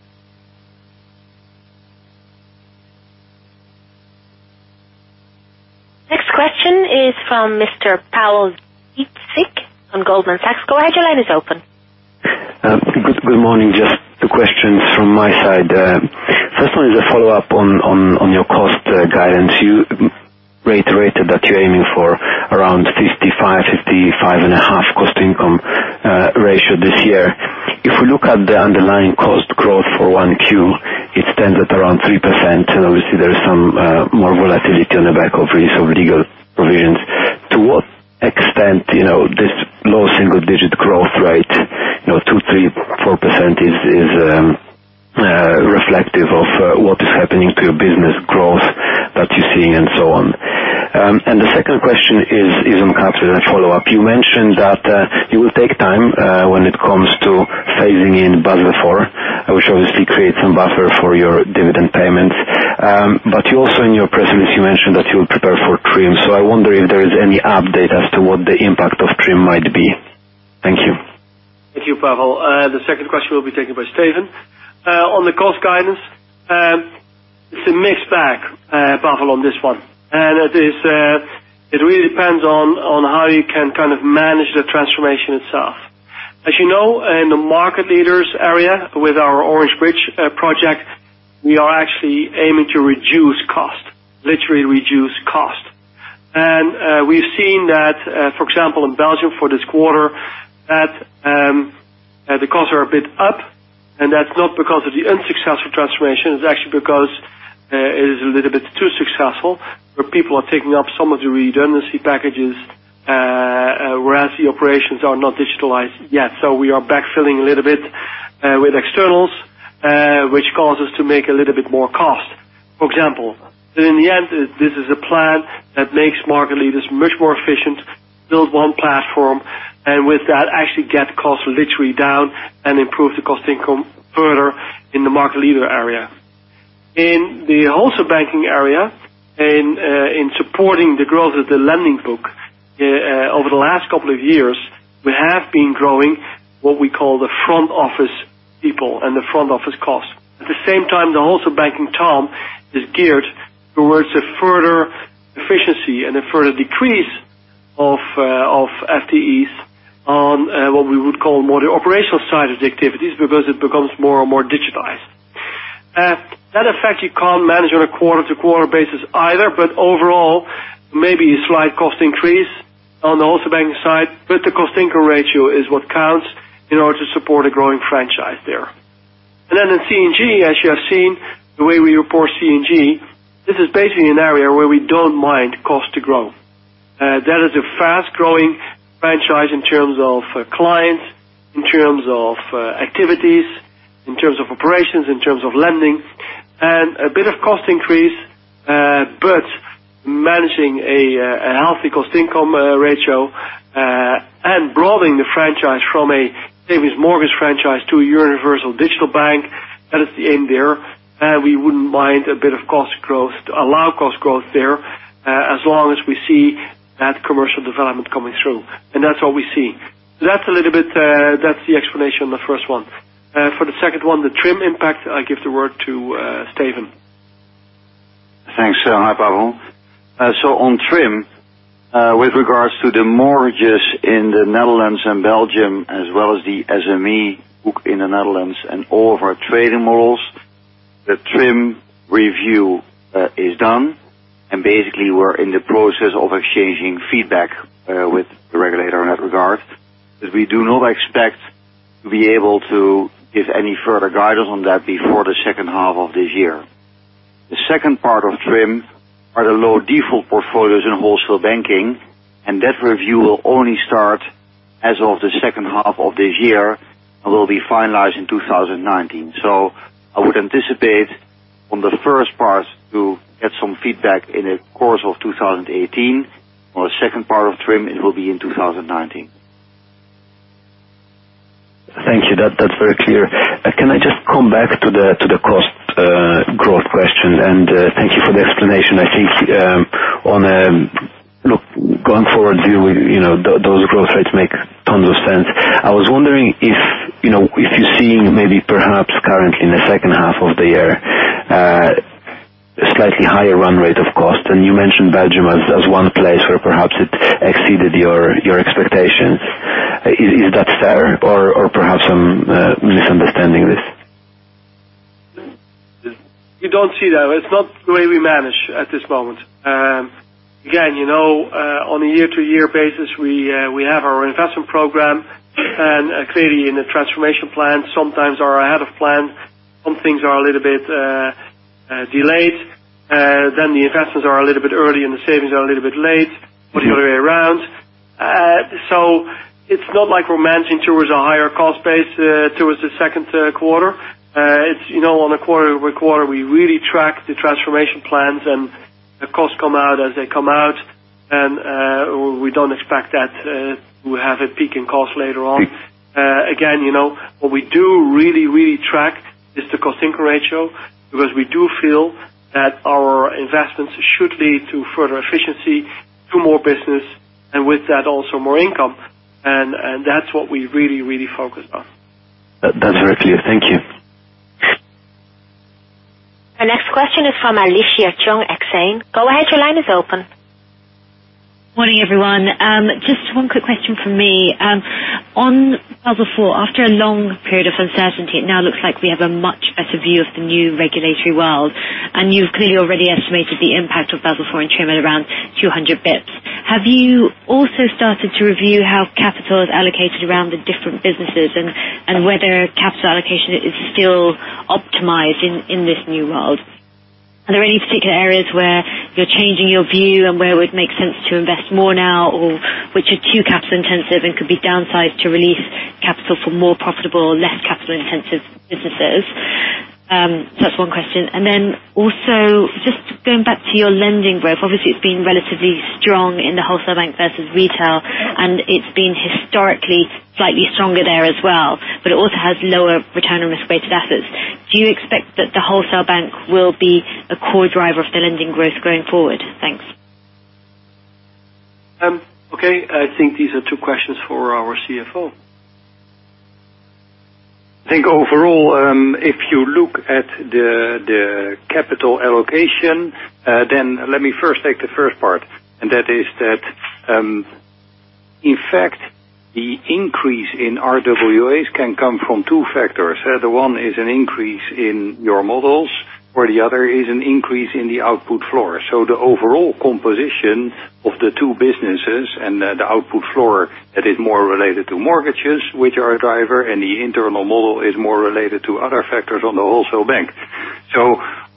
Next question is from Mr. Pawel Zytnik on Goldman Sachs. Go ahead, your line is open. Good morning. Just two questions from my side. First one is a follow-up on your cost guidance. You reiterated that you're aiming for around 55%, 55.5% cost income ratio this year. If we look at the underlying cost growth for 1Q, it stands at around 3%. Obviously there is some more volatility on the back of release of legal provisions. To what extent, this low single-digit growth rate, two, three, 4% is reflective of what is happening to your business growth that you're seeing and so on? The second question is on capital and follow-up. You mentioned that it will take time when it comes to phasing in Basel IV, which obviously creates some buffer for your dividend payments. You also in your presentation, you mentioned that you'll prepare for TRIM. I wonder if there is any update as to what the impact of TRIM might be. Thank you. Thank you, Pawel. The second question will be taken by Steven. On the cost guidance, it is a mixed bag, Pawel, on this one. It really depends on how you can manage the transformation itself. As you know, in the market leaders area with our Orange Bridge project, we are actually aiming to reduce cost, literally reduce cost. We have seen that, for example, in Belgium for this quarter, that the costs are a bit up, and that is not because of the unsuccessful transformation. It is actually because it is a little bit too successful, where people are taking up some of the redundancy packages, whereas the operations are not digitalized yet. We are backfilling a little bit with externals, which cause us to make a little bit more cost, for example. In the end, this is a plan that makes market leaders much more efficient, build one platform, and with that, actually get costs literally down and improve the cost income further in the market leader area. In the wholesale banking area, in supporting the growth of the lending book, over the last couple of years, we have been growing what we call the front office people and the front office costs. At the same time, the wholesale banking team is geared towards a further efficiency and a further decrease of FTEs on what we would call more the operational side of the activities, because it becomes more and more digitized. That effect you cannot manage on a quarter-to-quarter basis either, overall, maybe a slight cost increase on the wholesale banking side, the cost income ratio is what counts in order to support a growing franchise there. In C&G, as you have seen, the way we report C&G, this is basically an area where we do not mind cost to grow. That is a fast-growing franchise in terms of clients, in terms of activities, in terms of operations, in terms of lending, a bit of cost increase, managing a healthy cost income ratio, broadening the franchise from a savings mortgage franchise to a universal digital bank, that is the aim there. We would not mind a bit of cost growth, allow cost growth there, as long as we see that commercial development coming through. That is what we see. That is the explanation on the first one. For the second one, the TRIM impact, I give the word to Steven. Thanks. Hi, Pawel. On TRIM, with regards to the mortgages in the Netherlands and Belgium, as well as the SME book in the Netherlands and all of our trading models, the TRIM review is done, we're in the process of exchanging feedback The regulator in that regard, that we do not expect to be able to give any further guidance on that before the second half of this year. The second part of TRIM are the low default portfolios in Wholesale Banking, that review will only start as of the second half of this year and will be finalized in 2019. I would anticipate on the first part to get some feedback in the course of 2018. On the second part of TRIM, it will be in 2019. Thank you. That's very clear. Can I just come back to the cost growth question, thank you for the explanation. I think going forward, those growth rates make tons of sense. I was wondering if you're seeing maybe perhaps currently in the second half of the year, slightly higher run rate of cost. You mentioned Belgium as one place where perhaps it exceeded your expectations. Is that fair or perhaps I'm misunderstanding this? We don't see that. It's not the way we manage at this moment. Again, on a year-to-year basis, we have our investment program clearly in the transformation plan, sometimes are ahead of plan. Some things are a little bit delayed. The investments are a little bit early the savings are a little bit late or the other way around. It's not like we're managing towards a higher cost base towards the second quarter. On a quarter-over-quarter, we really track the transformation plans the costs come out as they come out. We don't expect that we'll have a peak in cost later on. Again, what we do really, really track is the cost-income ratio, because we do feel that our investments should lead to further efficiency, to more business, with that, also more income. That's what we really, really focus on. That's very clear. Thank you. The next question is from Alicia Chung, Exane. Go ahead, your line is open. Morning, everyone. Just one quick question from me. On Basel IV, after a long period of uncertainty, it now looks like we have a much better view of the new regulatory world, and you've clearly already estimated the impact of Basel IV and TRIM at around 200 basis points. Have you also started to review how capital is allocated around the different businesses and whether capital allocation is still optimized in this new world? Are there any particular areas where you're changing your view and where it would make sense to invest more now or which are too capital intensive and could be downsized to release capital for more profitable, less capital-intensive businesses? That's one question. Also, just going back to your lending growth, obviously it's been relatively strong in the wholesale bank versus retail, and it's been historically slightly stronger there as well. It also has lower return on risk-weighted assets. Do you expect that the wholesale bank will be a core driver of the lending growth going forward? Thanks. Okay. I think these are two questions for our CFO. I think overall, if you look at the capital allocation, let me first take the first part, and that is that, in fact, the increase in RWAs can come from two factors. The one is an increase in your models, or the other is an increase in the output floor. The overall composition of the two businesses and the output floor that is more related to mortgages, which are a driver, and the internal model is more related to other factors on the wholesale bank.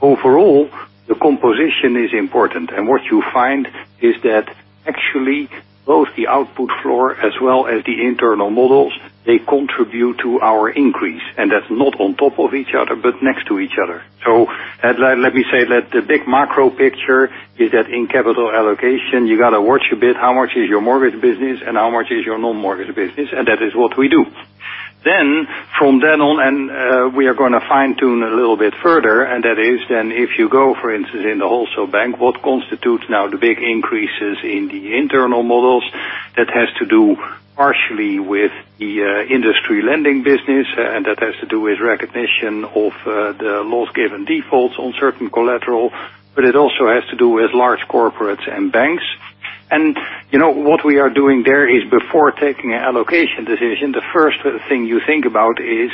Overall, the composition is important. What you find is that actually both the output floor as well as the internal models, they contribute to our increase, and that's not on top of each other but next to each other. Let me say that the big macro picture is that in capital allocation, you got to watch a bit how much is your mortgage business and how much is your non-mortgage business, and that is what we do. From then on, we are going to fine-tune a little bit further, and that is then if you go, for instance, in the wholesale bank, what constitutes now the big increases in the internal models, that has to do partially with the industry lending business, and that has to do with recognition of the loss given defaults on certain collateral, but it also has to do with large corporates and banks. What we are doing there is before taking an allocation decision, the first thing you think about is,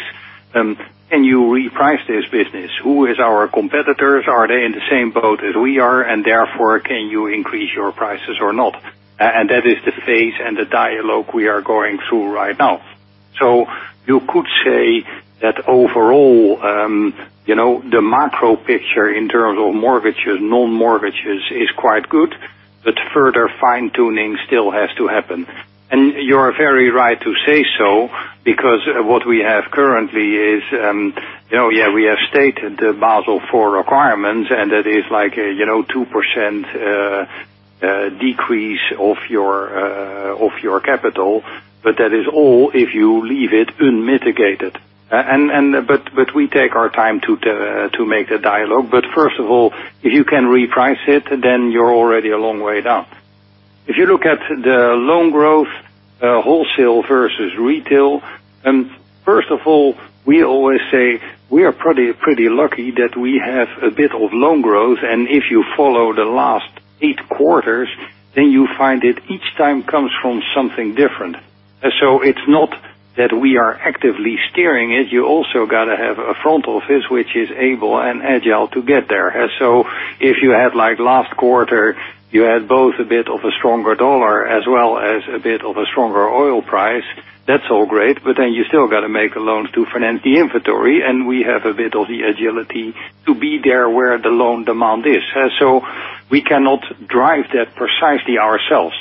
can you reprice this business? Who are our competitors? Are they in the same boat as we are? Therefore, can you increase your prices or not? That is the phase and the dialogue we are going through right now. You could say that overall, the macro picture in terms of mortgages, non-mortgages is quite good, but further fine-tuning still has to happen. And you are very right to say so because what we have currently is, we have stated the Basel IV requirements, and that is like a 2% decrease of your capital, but that is all if you leave it unmitigated. We take our time to make the dialogue. First of all, if you can reprice it, you're already a long way down. If you look at the loan growth, wholesale versus retail, first of all, we always say we are pretty lucky that we have a bit of loan growth, and if you follow the last eight quarters, then you find it each time comes from something different. It's not that we are actively steering it. You also got to have a front office which is able and agile to get there. If you had last quarter, you had both a bit of a stronger U.S. dollar as well as a bit of a stronger oil price. That's all great, but then you still got to make a loan to finance the inventory, and we have a bit of the agility to be there where the loan demand is. We cannot drive that precisely ourselves.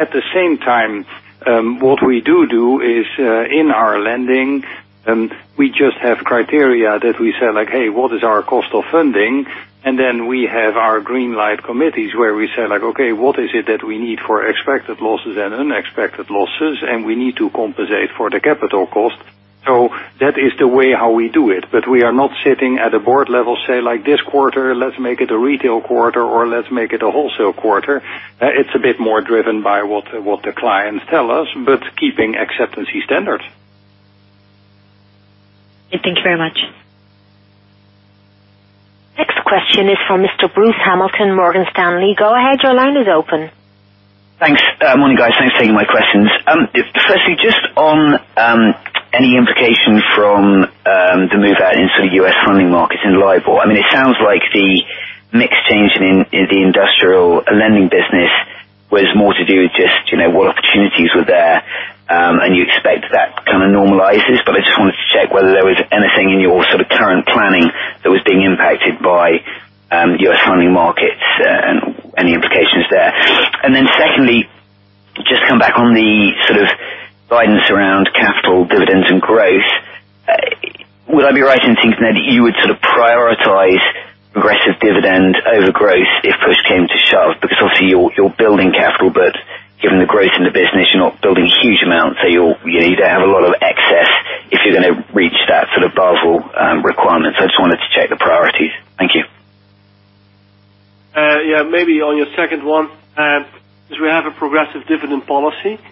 At the same time, what we do do is, in our lending, we just have criteria that we say, "Hey, what is our cost of funding?" We have our Greenlight committees where we say: Okay, what is it that we need for expected losses and unexpected losses? We need to compensate for the capital cost. That is the way how we do it. We are not sitting at a board level, say, like this quarter, let's make it a retail quarter or let's make it a wholesale quarter. It's a bit more driven by what the clients tell us, but keeping acceptance standards. Thank you very much. Next question is for Mr. Bruce Hamilton, Morgan Stanley. Go ahead, your line is open. Thanks. Morning, guys. Thanks for taking my questions. Firstly, just on any implication from the move out into the U.S. funding markets in LIBOR. It sounds like the mix change in the industrial lending business was more to do with just what opportunities were there, and you expect that to normalize. I just wanted to check whether there was anything in your current planning that was being impacted by U.S. funding markets and any implications there. Secondly, just come back on the guidance around capital dividends and growth. Would I be right in thinking that you would prioritize aggressive dividend over growth if push came to shove? Obviously you're building capital, but given the growth in the business, you're not building huge amounts. You either have a lot of excess if you're going to reach that Basel requirement. I just wanted to check the priorities. Thank you. Maybe on your second one, because we have a progressive dividend policy,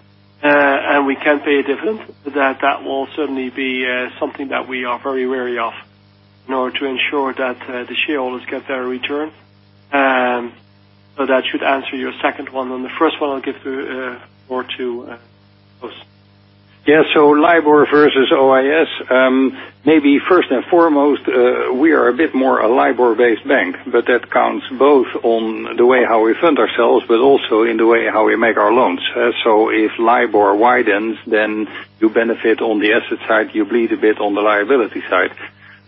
and we can pay a dividend, that will certainly be something that we are very wary of in order to ensure that the shareholders get their return. That should answer your second one. On the first one, I'll give the floor to Koos. LIBOR versus OIS. Maybe first and foremost, we are a bit more a LIBOR-based bank, but that counts both on the way how we fund ourselves, but also in the way how we make our loans. If LIBOR widens, then you benefit on the asset side, you bleed a bit on the liability side.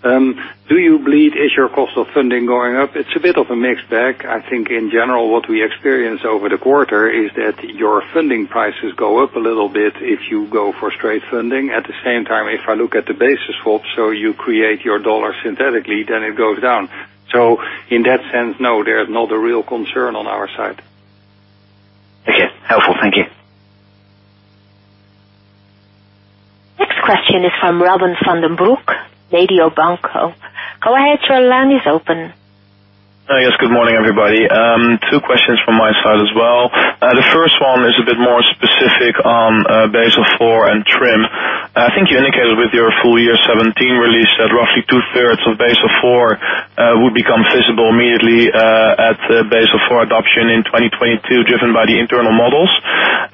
Do you bleed? Is your cost of funding going up? It's a bit of a mixed bag. I think in general, what we experience over the quarter is that your funding prices go up a little bit if you go for straight funding. At the same time, if I look at the basis swap, you create your U.S. dollar synthetically, then it goes down. In that sense, no, there's not a real concern on our side. Okay. Helpful. Thank you. Next question is from Robin van den Broek, Mediobanca. Go ahead, your line is open. Yes. Good morning, everybody. Two questions from my side as well. The first one is a bit more specific on Basel IV and TRIM. I think you indicated with your full year 2017 release that roughly two-thirds of Basel IV would become visible immediately at the Basel IV adoption in 2022, driven by the internal models.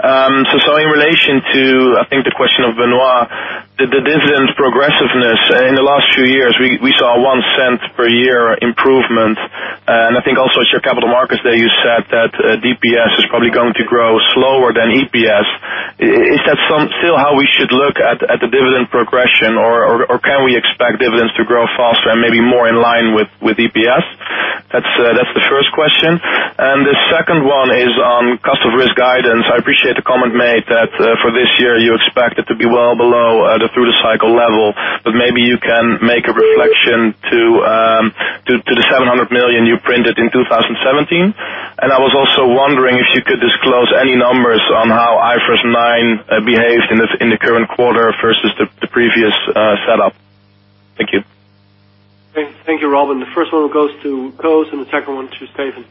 In relation to, I think the question of Benoît, the dividend progressiveness. In the last few years, we saw 0.01 per year improvement. I think also at your capital markets day, you said that DPS is probably going to grow slower than EPS. Is that still how we should look at the dividend progression, or can we expect dividends to grow faster and maybe more in line with EPS? That's the first question. The second one is on customer risk guidance. I appreciate the comment made that for this year, you expect it to be well below the through-the-cycle level. Maybe you can make a reflection to the 700 million you printed in 2017. I was also wondering if you could disclose any numbers on how IFRS 9 behaved in the current quarter versus the previous setup. Thank you. Thank you, Robin. The first one goes to Koos and the second one to Steven.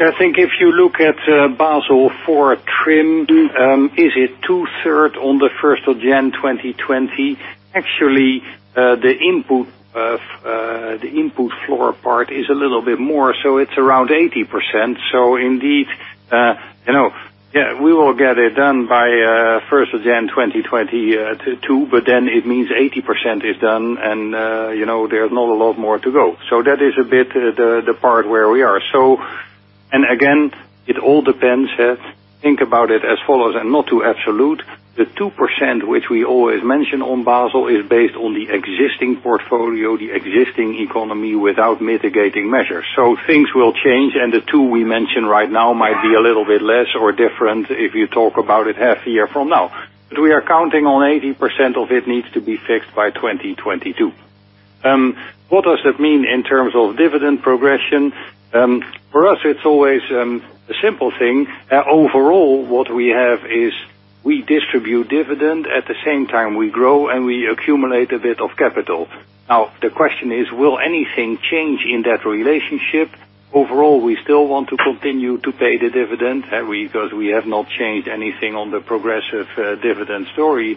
I think if you look at Basel IV TRIM, is it two-third on the 1st of January 2020? Actually, the input floor part is a little bit more, so it's around 80%. Indeed, we will get it done by 1st of January 2022, but then it means 80% is done and there's not a lot more to go. That is a bit the part where we are. Again, it all depends. Think about it as follows and not too absolute. The 2% which we always mention on Basel is based on the existing portfolio, the existing economy without mitigating measures. Things will change, and the two we mention right now might be a little bit less or different if you talk about it half a year from now. We are counting on 80% of it needs to be fixed by 2022. What does that mean in terms of dividend progression? For us, it's always a simple thing. Overall, what we have is we distribute dividend. At the same time, we grow and we accumulate a bit of capital. Now, the question is: Will anything change in that relationship? Overall, we still want to continue to pay the dividend because we have not changed anything on the progressive dividend story.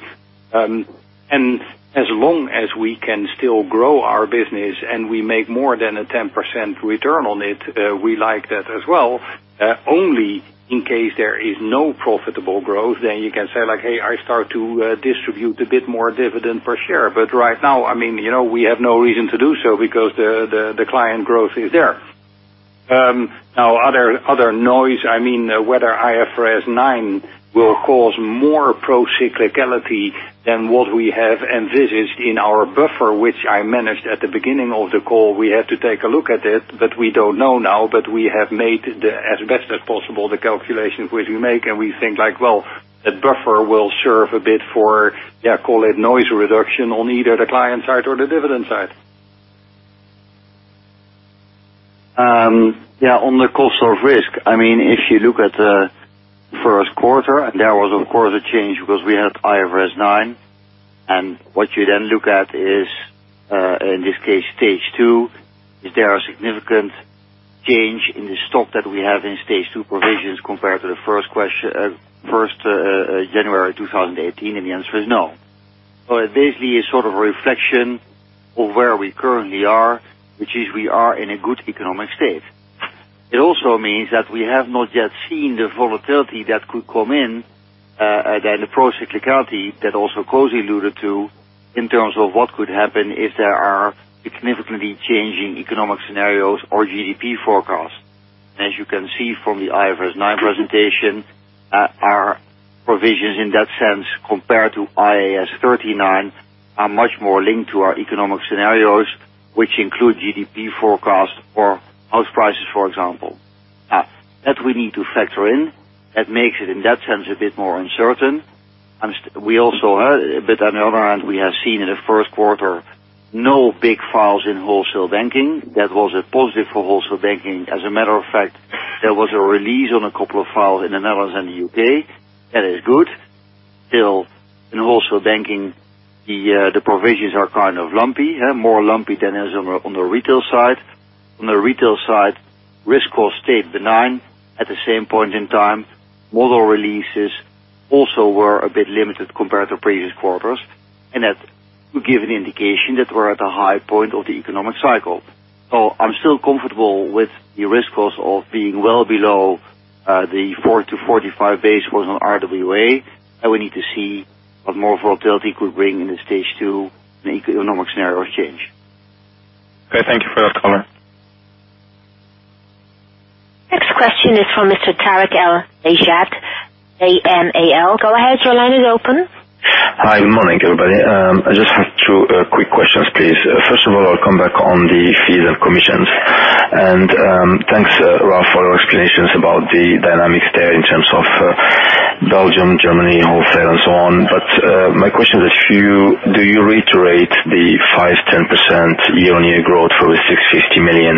As long as we can still grow our business and we make more than a 10% return on it, we like that as well. Only in case there is no profitable growth, then you can say, "Hey, I start to distribute a bit more dividend per share." Right now, we have no reason to do so because the client growth is there. Now, other noise, whether IFRS 9 will cause more procyclicality than what we have envisaged in our buffer, which I managed at the beginning of the call, we had to take a look at it, but we don't know now, but we have made as best as possible the calculations which we make, and we think, well, that buffer will serve a bit for, call it noise reduction on either the client side or the dividend side. On the cost of risk. If you look at the first quarter, there was of course a change because we had IFRS 9, and what you then look at is, in this case, Stage 2. Is there a significant change in the stock that we have in Stage 2 provisions compared to the 1st January 2018? And the answer is no. Basically, a reflection of where we currently are, which is we are in a good economic state. It also means that we have not yet seen the volatility that could come in, then the procyclicality that also [Koos] alluded to in terms of what could happen if there are significantly changing economic scenarios or GDP forecasts. As you can see from the IFRS 9 presentation, our provisions in that sense, compared to IAS 39, are much more linked to our economic scenarios, which include GDP forecasts or house prices, for example. That we need to factor in. That makes it, in that sense, a bit more uncertain. On the other hand, we have seen in the first quarter, no big files in Wholesale Banking. That was a positive for Wholesale Banking. As a matter of fact, there was a release on a couple of files in the Netherlands and the U.K. That is good. Still, in wholesale banking, the provisions are kind of lumpy. More lumpy than is on the retail side. On the retail side, risk cost stayed benign. At the same point in time, model releases also were a bit limited compared to previous quarters, and that would give an indication that we're at a high point of the economic cycle. I'm still comfortable with the risk cost of being well below the 4-45 basis on RWA, and we need to see what more volatility could bring in the Stage 2 economic scenarios change. Okay. Thank you for that, Koos. Next question is from Mr. Tarik El Mejjad BAML Go ahead. Your line is open. Hi. Morning, everybody. I just have two quick questions, please. First of all, I'll come back on the fees and commissions. Thanks, Ralph, for your explanations about the dynamics there in terms of Belgium, Germany, wholesale, and so on. My question is, do you reiterate the 5%-10% year-on-year growth for the 650 million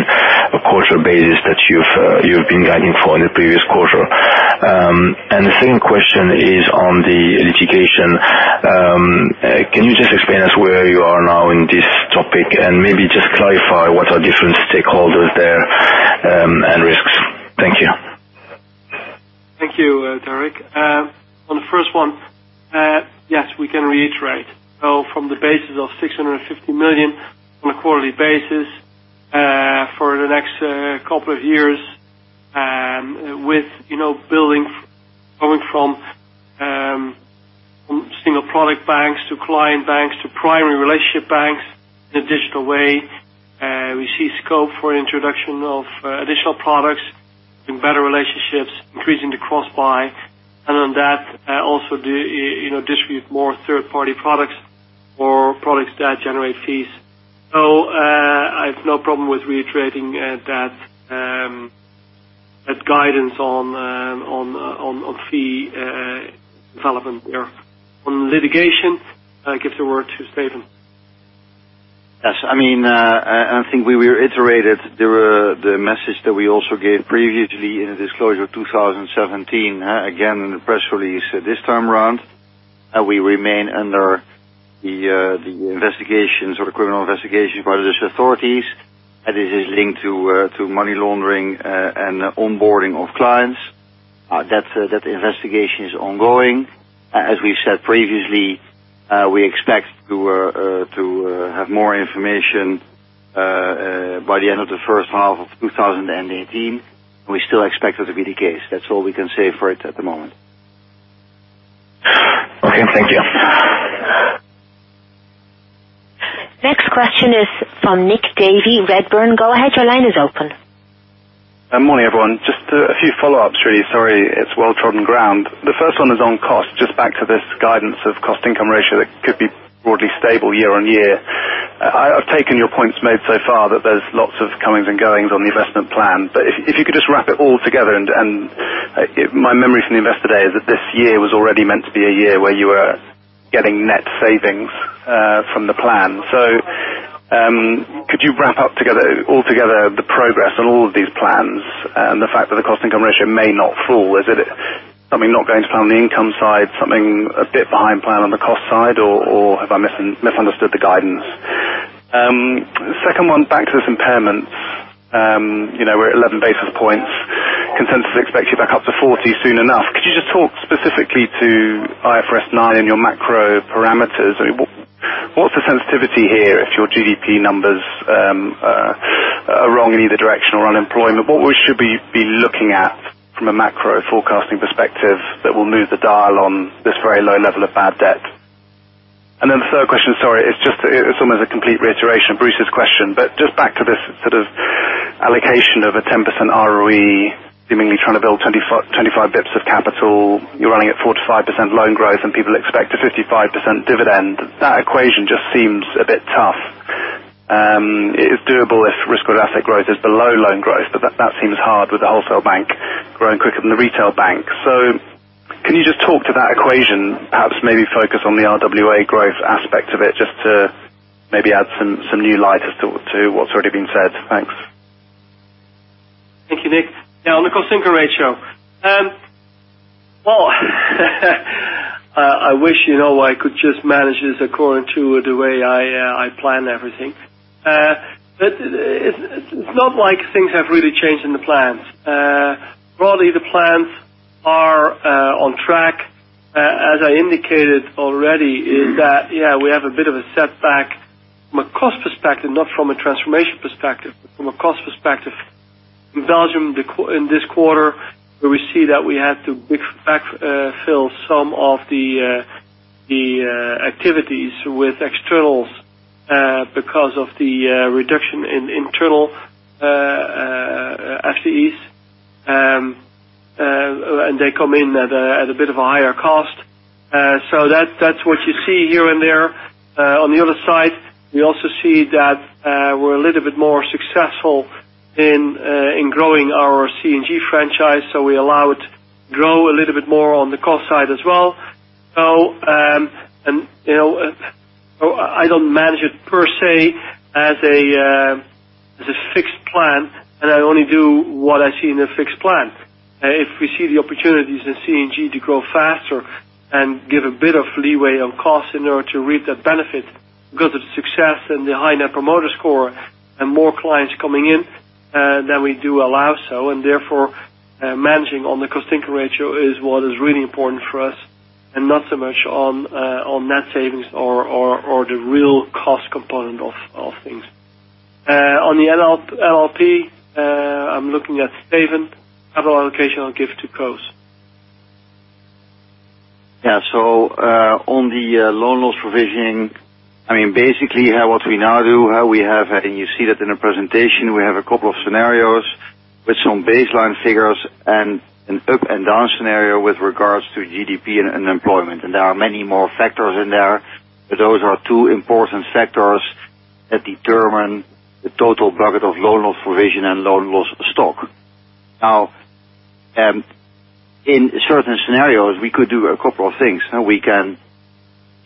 quarter basis that you've been guiding for in the previous quarter? The second question is on the litigation. Can you just explain us where you are now in this topic, and maybe just clarify what are different stakeholders there, and risks? Thank you. Thank you, Tarik. On the first one, yes, we can reiterate. From the basis of 650 million on a quarterly basis for the next couple of years, with building going from single product banks to client banks to primary relationship banks in a digital way. We see scope for introduction of additional products in better relationships, increasing the cross-buy, and then that also distribute more third-party products or products that generate fees. I have no problem with reiterating that guidance on fee development there. On litigation, I give the word to Steven. Yes. I think we reiterated the message that we also gave previously in the disclosure 2017, again, in the press release this time around, we remain under the investigations or the criminal investigations by the Dutch authorities. That is linked to money laundering and onboarding of clients. That investigation is ongoing. As we said previously, we expect to have more information by the end of the first half of 2018. We still expect that to be the case. That's all we can say for it at the moment. Okay. Thank you. Next question is from Nick Davey, Redburn. Go ahead, your line is open. Morning, everyone. Just a few follow-ups, really. Sorry, it's well-trodden ground. The first one is on cost, just back to this guidance of cost-income ratio that could be broadly stable year-on-year. I've taken your points made so far that there's lots of comings and goings on the investment plan. If you could just wrap it all together, and my memory from the Investor Day is that this year was already meant to be a year where you were getting net savings from the plan. Could you wrap up altogether the progress on all of these plans and the fact that the cost-income ratio may not fall? Is it something not going to plan on the income side, something a bit behind plan on the cost side, or have I misunderstood the guidance? Second one, back to this impairment. We're at 11 basis points. Consensus expects you back up to 40 soon enough. Could you just talk specifically to IFRS 9 and your macro parameters? What's the sensitivity here if your GDP numbers are wrong in either direction, or unemployment, what we should be looking at from a macro forecasting perspective that will move the dial on this very low level of bad debt? The third question, sorry, it's almost a complete reiteration of Bruce's question, just back to this sort of allocation of a 10% ROE, seemingly trying to build 25 basis points of capital. You're running at 4%-5% loan growth and people expect a 55% dividend. That equation just seems a bit tough. It's doable if risk of asset growth is below loan growth, but that seems hard with the wholesale bank growing quicker than the retail bank. Can you just talk to that equation, perhaps maybe focus on the RWA growth aspect of it, just to maybe add some new light as to what's already been said? Thanks. Thank you, Nick. On the cost-income ratio. I wish I could just manage this according to the way I plan everything. It's not like things have really changed in the plans. Broadly, the plans are on track, as I indicated already, is that we have a bit of a setback from a cost perspective, not from a transformation perspective, but from a cost perspective. In Belgium, in this quarter, where we see that we had to backfill some of the activities with externals because of the reduction in internal FTEs, and they come in at a bit of a higher cost. That's what you see here and there. On the other side, we also see that we're a little bit more successful in growing our C&G franchise, so we allow it to grow a little bit more on the cost side as well. I don't manage it per se as a fixed plan, I only do what I see in a fixed plan. If we see the opportunities in C&G to grow faster and give a bit of leeway on cost in order to reap that benefit because of the success and the high Net Promoter Score and more clients coming in, then we do allow so, therefore, managing on the cost-income ratio is what is really important for us, and not so much on net savings or the real cost component of things. On the LLP, I'm looking at Steven. Other allocation I'll give to Koos. On the loan loss provision, basically what we now do, you see that in the presentation, we have a couple of scenarios with some baseline figures and an up and down scenario with regards to GDP and unemployment. There are many more factors in there, but those are two important factors that determine the total bucket of loan loss provision and loan loss stock. In certain scenarios, we could do a couple of things. We can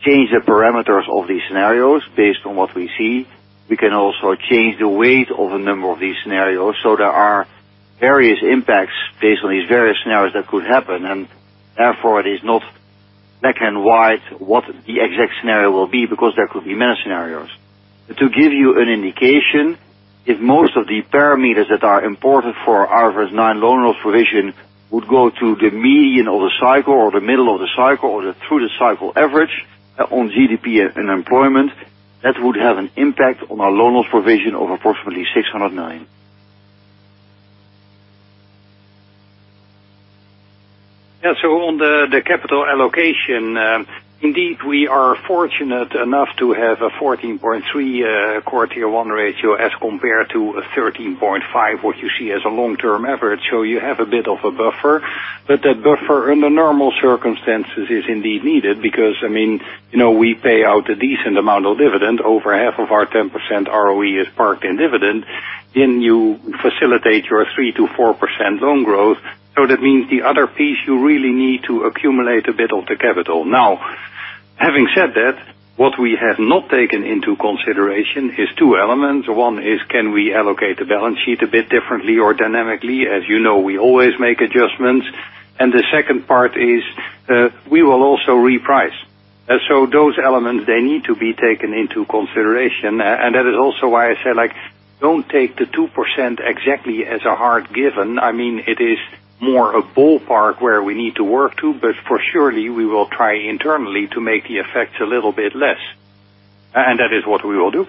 change the parameters of these scenarios based on what we see. We can also change the weight of a number of these scenarios. There are various impacts based on these various scenarios that could happen, therefore, it is not black and white what the exact scenario will be because there could be many scenarios. To give you an indication, if most of the parameters that are important for our IFRS 9 loan loss provision would go to the median of the cycle or the middle of the cycle or through the cycle average on GDP and unemployment, that would have an impact on our loan loss provision of approximately 600 million. On the capital allocation, indeed, we are fortunate enough to have a 14.3 core Tier 1 ratio as compared to a 13.5, what you see as a long-term average, you have a bit of a buffer. That buffer under normal circumstances is indeed needed because we pay out a decent amount of dividend. Over half of our 10% ROE is parked in dividend. Then you facilitate your 3%-4% loan growth. That means the other piece, you really need to accumulate a bit of the capital. Having said that, what we have not taken into consideration is two elements. One is, can we allocate the balance sheet a bit differently or dynamically? As you know, we always make adjustments. The second part is, we will also reprice. Those elements, they need to be taken into consideration, and that is also why I said, don't take the 2% exactly as a hard given. It is more a ballpark where we need to work to, but for surely, we will try internally to make the effects a little bit less. That is what we will do.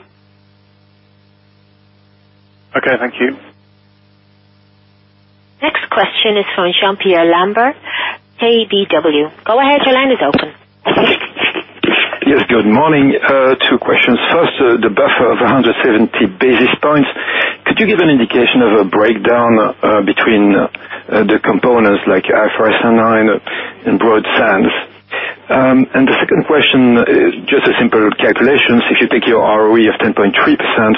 Okay. Thank you. Next question is from Jean-Pierre Lambert, KBW. Go ahead, your line is open. Yes, good morning. Two questions. First, the buffer of 170 basis points. Could you give an indication of a breakdown between the components like IFRS 9 in broad sense? The second question is just a simple calculation. If you take your ROE of 10.3%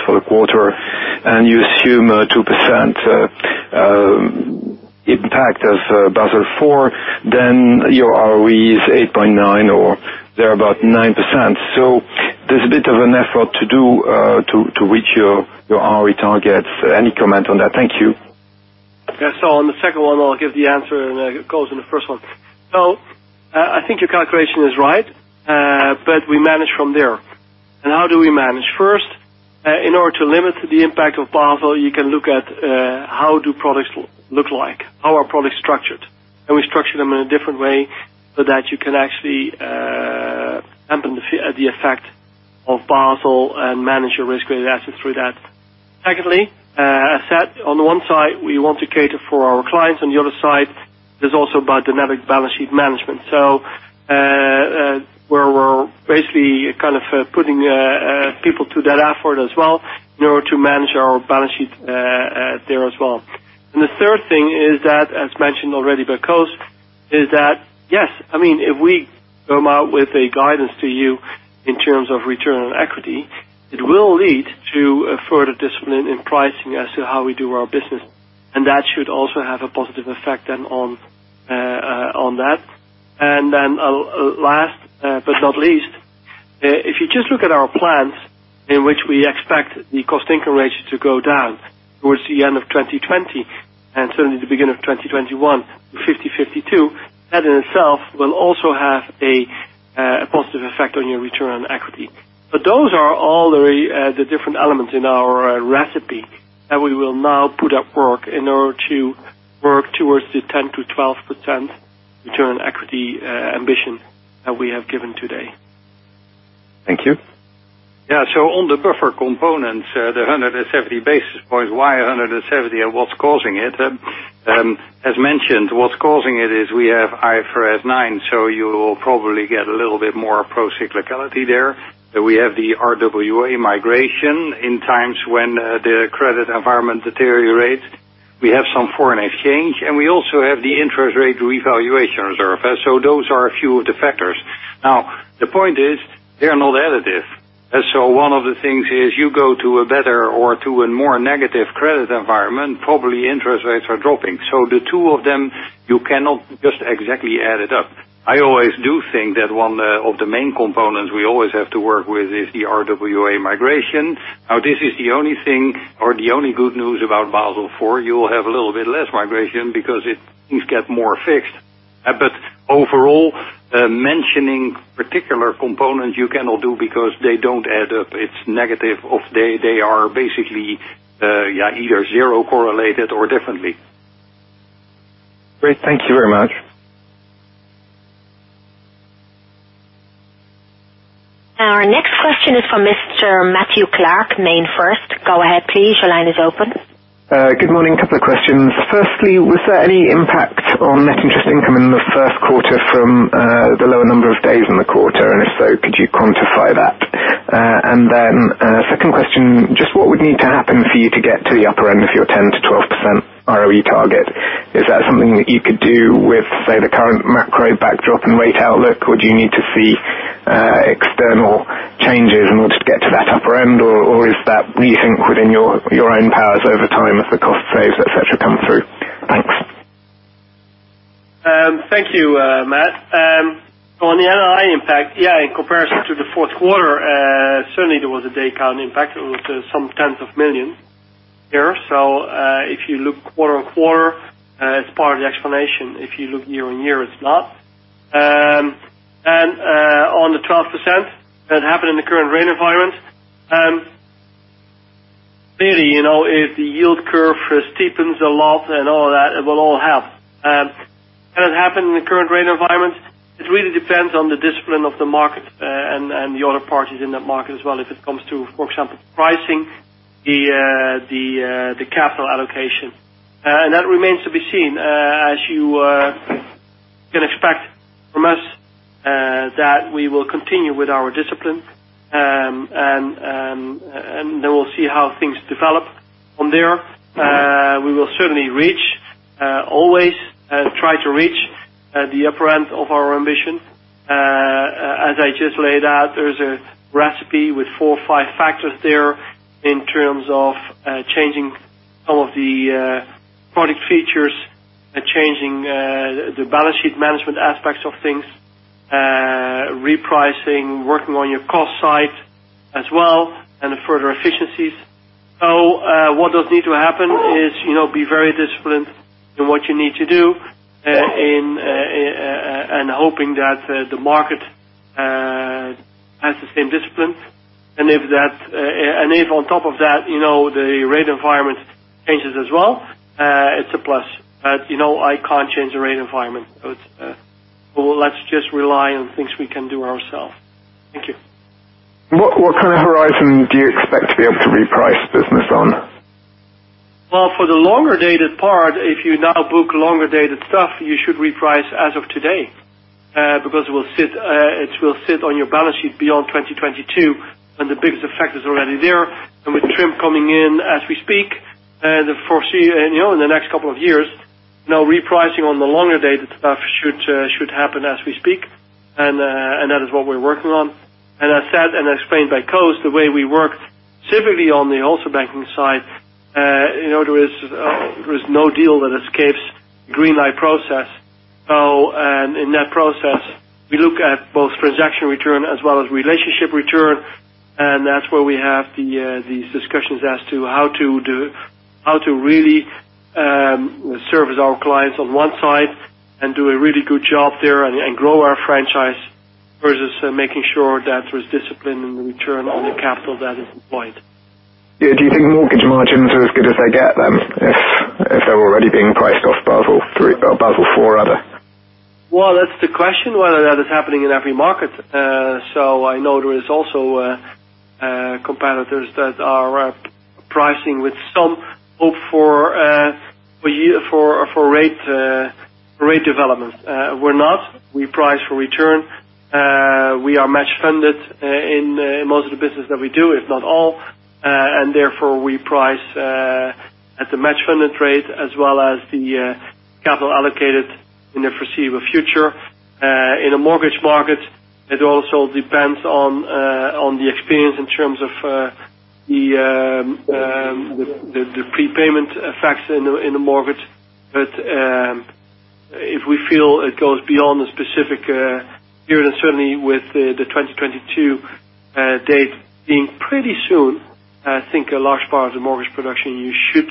for the quarter and you assume a 2% impact of Basel IV, your ROE is 8.9% or thereabout 9%. There's a bit of an effort to do to reach your ROE targets. Any comment on that? Thank you. On the second one, I will give the answer, and Koos on the first one. I think your calculation is right, but we manage from there. How do we manage? First, in order to limit the impact of Basel, you can look at how do products look like, how are products structured. We structure them in a different way, so that you can actually dampen the effect of Basel and manage your risk-weighted assets through that. Secondly, I said, on the one side, we want to cater for our clients. On the other side, it is also about dynamic balance sheet management. Where we are basically putting people to that effort as well in order to manage our balance sheet there as well. The third thing is that, as mentioned already by Koos, is that, yes, if we come out with a guidance to you in terms of return on equity, it will lead to a further discipline in pricing as to how we do our business, and that should also have a positive effect then on that. Last but not least, if you just look at our plans in which we expect the cost-income ratio to go down towards the end of 2020, and certainly the beginning of 2021, to 50/52, that in itself will also have a positive effect on your return on equity. Those are all the different elements in our recipe that we will now put at work in order to work towards the 10%-12% return equity ambition that we have given today. Thank you. Yeah. On the buffer component, the 170 basis points. Why 170, and what is causing it? As mentioned, what is causing it is we have IFRS 9, you will probably get a little bit more pro-cyclicality there. We have the RWA migration in times when the credit environment deteriorates. We have some foreign exchange, and we also have the interest rate revaluation reserve. Those are a few of the factors. Now, the point is, they are not additive. One of the things is you go to a better or to a more negative credit environment, probably interest rates are dropping. The two of them, you cannot just exactly add it up. I always do think that one of the main components we always have to work with is the RWA migration. This is the only thing, or the only good news about Basel IV. You will have a little bit less migration because things get more fixed. Overall, mentioning particular components you cannot do because they don't add up. It's negative of they are basically either zero correlated or differently. Great. Thank you very much. Our next question is from Mr. Matthew Clark, MainFirst. Go ahead, please. Your line is open. Good morning. A couple of questions. Firstly, was there any impact on net interest income in the first quarter from the lower number of days in the quarter? If so, could you quantify that? Second question, just what would need to happen for you to get to the upper end of your 10%-12% ROE target? Is that something that you could do with, say, the current macro backdrop and rate outlook? Do you need to see external changes in order to get to that upper end? Is that, do you think, within your own powers over time as the cost saves, et cetera, come through? Thanks. Thank you, Matt. On the NII impact, yeah, in comparison to the fourth quarter, certainly there was a day count impact. It was some tens of millions there. If you look quarter-on-quarter, it's part of the explanation. If you look year-on-year, it's not. On the 12%, that happened in the current rate environment. Clearly, if the yield curve steepens a lot and all that, it will all help. Can it happen in the current rate environment? It really depends on the discipline of the market and the other parties in that market as well if it comes to, for example, pricing, the capital allocation. That remains to be seen, as you can expect from us, that we will continue with our discipline, and we'll see how things develop from there. We will certainly always try to reach the upper end of our ambition. As I just laid out, there's a recipe with four or five factors there in terms of changing some of the product features, changing the balance sheet management aspects of things, repricing, working on your cost side as well, and the further efficiencies. What does need to happen is be very disciplined in what you need to do, and hoping that the market has the same discipline. If on top of that, the rate environment changes as well, it's a plus. I can't change the rate environment. Let's just rely on things we can do ourselves. Thank you. What kind of horizon do you expect to be able to reprice business on? Well, for the longer-dated part, if you now book longer-dated stuff, you should reprice as of today, because it will sit on your balance sheet beyond 2022, and the biggest effect is already there. With TRIM coming in as we speak, in the next couple of years, now repricing on the longer-dated stuff should happen as we speak, and that is what we're working on. As said and explained by Koos, the way we work, specifically on the Wholesale Banking side, there is no deal that escapes Greenlight process actual return as well as relationship return. That's where we have these discussions as to how to really service our clients on one side and do a really good job there and grow our franchise, versus making sure that there's discipline and return on the capital that is employed. Yeah. Do you think mortgage margins are as good as they get then, if they're already being priced off Basel IV, are they? Well, that's the question, whether that is happening in every market. I know there is also competitors that are pricing with some hope for rate development. We're not. We price for return. We are match funded in most of the business that we do, if not all. Therefore, we price at the match funded rate as well as the capital allocated in the foreseeable future. In a mortgage market, it also depends on the experience in terms of the prepayment effects in the mortgage. If we feel it goes beyond a specific year, and certainly with the 2022 date being pretty soon, I think a large part of the mortgage production you should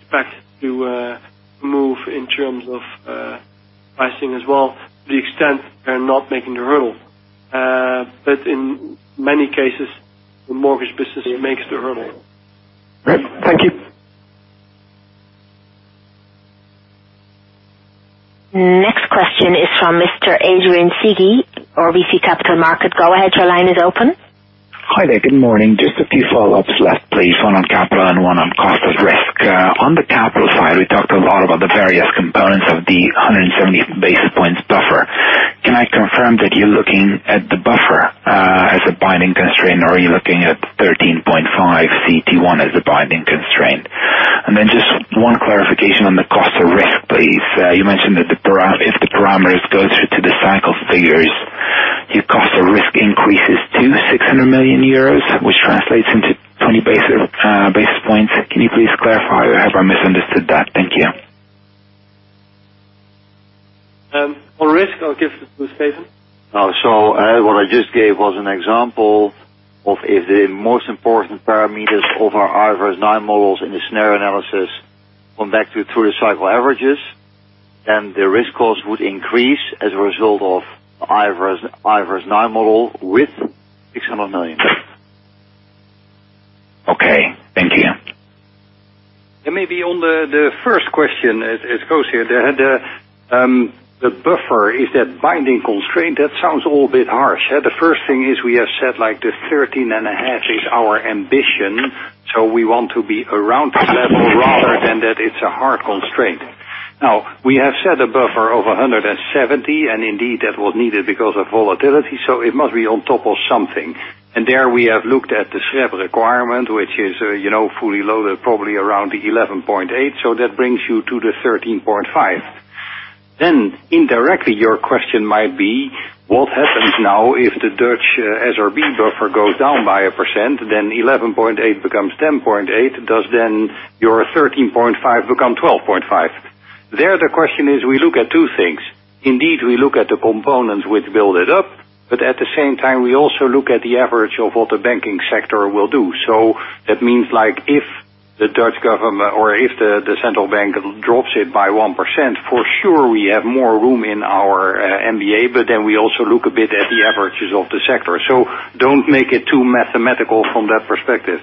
expect to move in terms of pricing as well, to the extent they're not making the hurdle. In many cases, the mortgage business makes the hurdle. Right. Thank you. Next question is from Mr. Anke Reingen, RBC Capital Markets. Go ahead, your line is open. Hi there. Good morning. Just a few follow-ups left, please. One on capital and one on cost of risk. On the capital side, we talked a lot about the various components of the 170 basis points buffer. Can I confirm that you're looking at the buffer as a binding constraint, or are you looking at 13.5 CET1 as a binding constraint? Just one clarification on the cost of risk, please. You mentioned that if the parameters go through to the cycle figures, your cost of risk increases to 600 million euros, which translates into 20 basis points. Can you please clarify or have I misunderstood that? Thank you. On risk, I'll give to Steven. What I just gave was an example of if the most important parameters of our IFRS 9 models in the scenario analysis went back to through-the-cycle averages, the risk cost would increase as a result of IFRS 9 model with 600 million. Okay. Thank you. Maybe on the first question, as it goes here, the buffer, is that binding constraint? That sounds all a bit harsh. The first thing is we have said, like, the 13.5 is our ambition, so we want to be around that level rather than that it's a hard constraint. Now, we have set a buffer of 170, and indeed, that was needed because of volatility, so it must be on top of something. There we have looked at the SREP requirement, which is fully loaded, probably around 11.8, so that brings you to the 13.5. Then indirectly, your question might be, what happens now if the Dutch SRB buffer goes down by 1%, then 11.8 becomes 10.8. Does then your 13.5 become 12.5? There, the question is, we look at two things. We look at the components which build it up, but at the same time, we also look at the average of what the banking sector will do. That means if the central bank drops it by 1%, for sure we have more room in our MDA, but then we also look a bit at the averages of the sector. Don't make it too mathematical from that perspective.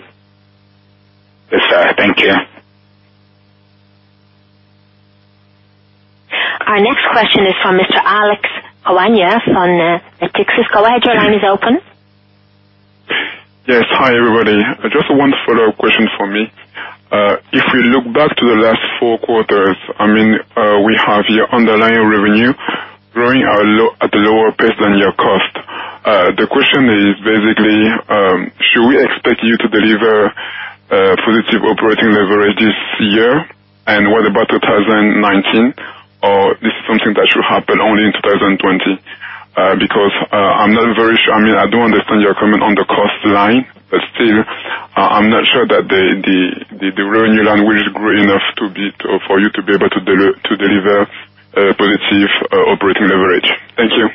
Yes, sir. Thank you. Our next question is from Mr. Alexia Haviaras on the Natixis. Go ahead, your line is open. Yes. Hi, everybody. Just one follow-up question for me. If we look back to the last four quarters, we have your underlying revenue growing at a lower pace than your cost. The question is basically, should we expect you to deliver positive operating leverage this year? What about 2019, or this is something that should happen only in 2020? I do understand your comment on the cost line, but still, I'm not sure that the revenue line will grow enough for you to be able to deliver positive operating leverage. Thank you.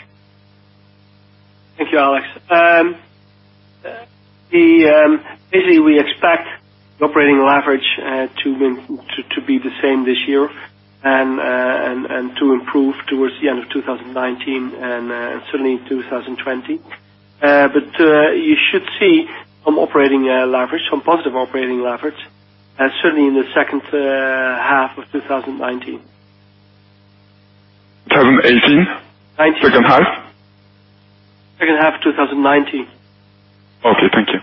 Thank you, Alexia. Basically, we expect operating leverage to be the same this year and to improve towards the end of 2019 and certainly 2020. You should see some positive operating leverage certainly in the second half of 2019. 2018? 19. Second half? Second half of 2019. Okay, thank you.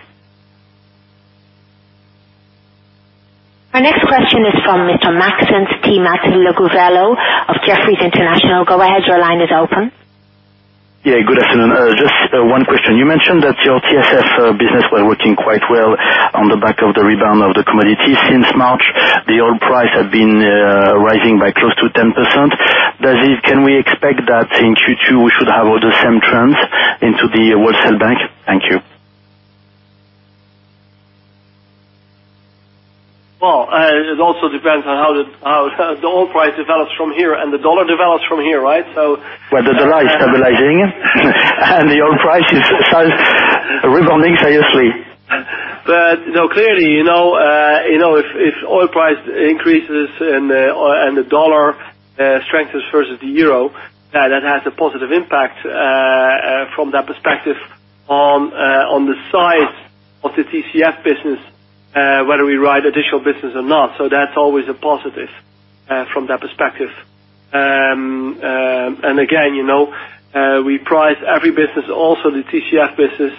Our next question is from Mr. Maxence Le Gouvello of Jefferies International. Go ahead, your line is open. Yeah, good afternoon. Just one question. You mentioned that your TCF business was working quite well on the back of the rebound of the commodity since March. The oil price had been rising by close to 10%. Can we expect that in Q2 we should have all the same trends into the Well, it also depends on how the oil price develops from here and the dollar develops from here, right? Well, the dollar is stabilizing and the oil price is rebounding seriously. No, clearly, if oil price increases and the dollar strengthens versus the euro, that has a positive impact from that perspective on the size of the TCF business, whether we write additional business or not. That's always a positive from that perspective. Again, we price every business, also the TCF business,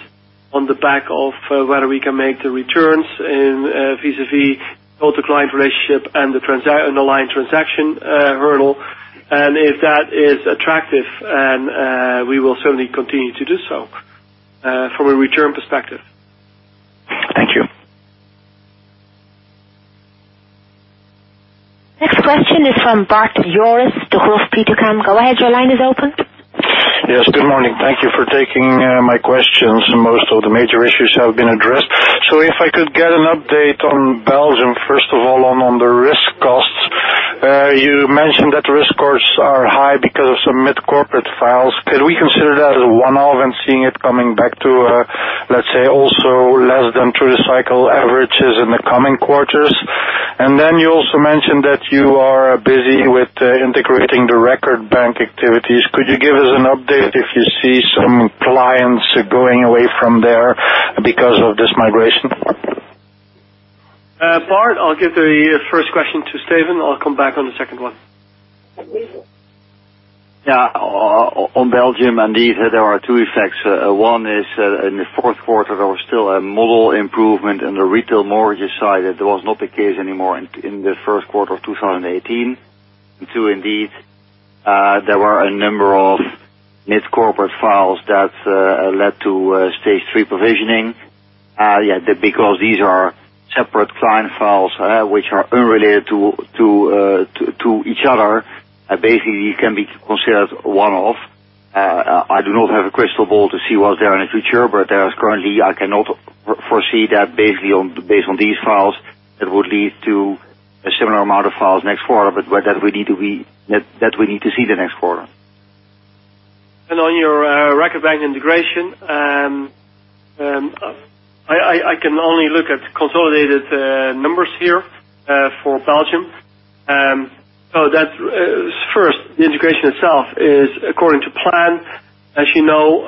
on the back of whether we can make the returns vis-à-vis both the client relationship and the underlying transaction hurdle. If that is attractive, we will certainly continue to do so, from a return perspective. Thank you. Next question is from Baudoin Joris, Degroof Petercam. Go ahead, your line is open. Yes, good morning. Thank you for taking my questions. Most of the major issues have been addressed. If I could get an update on Belgium, first of all, on the risk costs. You mentioned that risk costs are high because of some mid-corporate files. Could we consider that as a one-off and seeing it coming back to, let's say, also less than through-the-cycle averages in the coming quarters? Then you also mentioned that you are busy with integrating the Record Bank activities. Could you give us an update if you see some clients going away from there because of this migration? Baudoin, I'll give the first question to Steven. I'll come back on the second one. On Belgium, indeed, there are two effects. One is, in the fourth quarter, there was still a model improvement in the retail mortgage side that was not the case anymore in the first quarter of 2018. Two, indeed, there were a number of mid-corporate files that led to Stage 3 provisioning. Because these are separate client files which are unrelated to each other, basically it can be considered a one-off. I do not have a crystal ball to see what's there in the future, but as currently, I cannot foresee that basically based on these files, it would lead to a similar amount of files next quarter, but that we need to see the next quarter. On your Record Bank integration, I can only look at consolidated numbers here for Belgium. First, the integration itself is according to plan. As you know,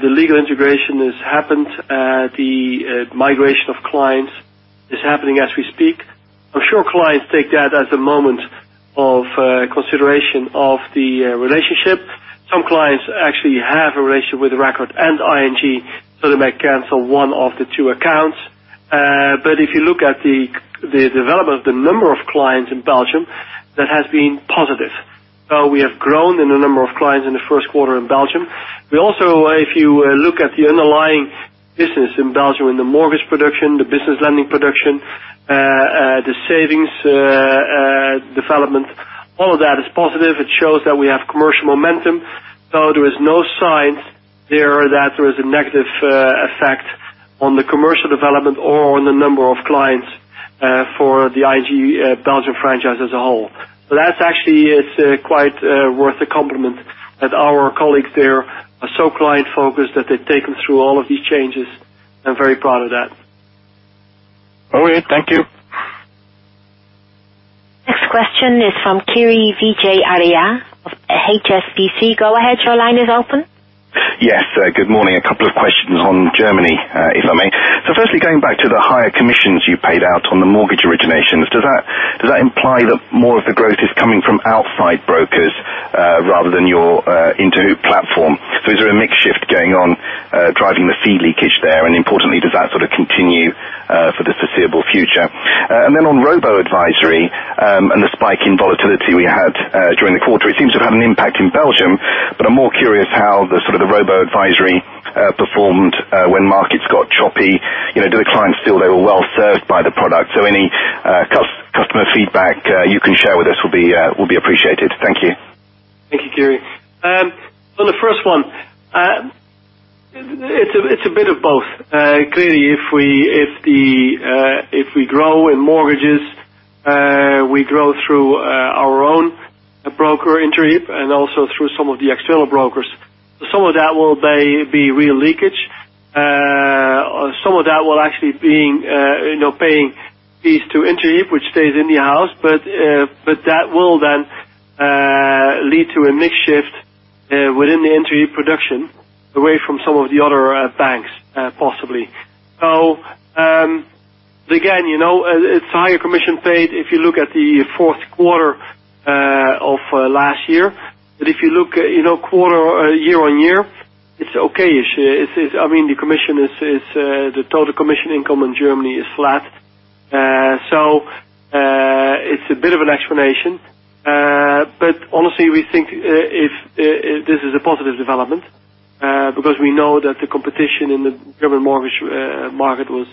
the legal integration has happened. The migration of clients is happening as we speak. I'm sure clients take that as a moment of consideration of the relationship. Some clients actually have a relationship with Record and ING, they might cancel one of the two accounts. If you look at the development of the number of clients in Belgium, that has been positive. We have grown in the number of clients in the first quarter in Belgium. If you look at the underlying business in Belgium, in the mortgage production, the business lending production, the savings development, all of that is positive. It shows that we have commercial momentum. There is no signs there that there is a negative effect on the commercial development or on the number of clients for the ING Belgium franchise as a whole. That actually is quite worth a compliment that our colleagues there are so client-focused that they've taken through all of these changes. I'm very proud of that. All right. Thank you. Next question is from Kirishanthan Vijayarajah of HSBC. Go ahead, your line is open. Yes. Good morning. A couple of questions on Germany, if I may. Firstly, going back to the higher commissions you paid out on the mortgage originations, does that imply that more of the growth is coming from outside brokers rather than your Interhyp platform? Is there a mix shift going on driving the fee leakage there? And importantly, does that continue for the foreseeable future? Then on robo-advisory and the spike in volatility we had during the quarter, it seems to have had an impact in Belgium, but I'm more curious how the robo-advisory performed when markets got choppy. Do the clients feel they were well served by the product? Any customer feedback you can share with us will be appreciated. Thank you. Thank you, Kiri. On the first one, it's a bit of both. Clearly, if we grow in mortgages, we grow through our own broker, Interhyp, and also through some of the external brokers. Some of that will be real leakage. Some of that will actually paying fees to Interhyp, which stays in the house, but that will then lead to a mix shift within the Interhyp production away from some of the other banks, possibly. Again, it's a higher commission paid if you look at the fourth quarter of last year. If you look year-on-year, it's okay-ish. The total commission income in Germany is flat. It's a bit of an explanation. Honestly, we think this is a positive development, because we know that the competition in the German mortgage market was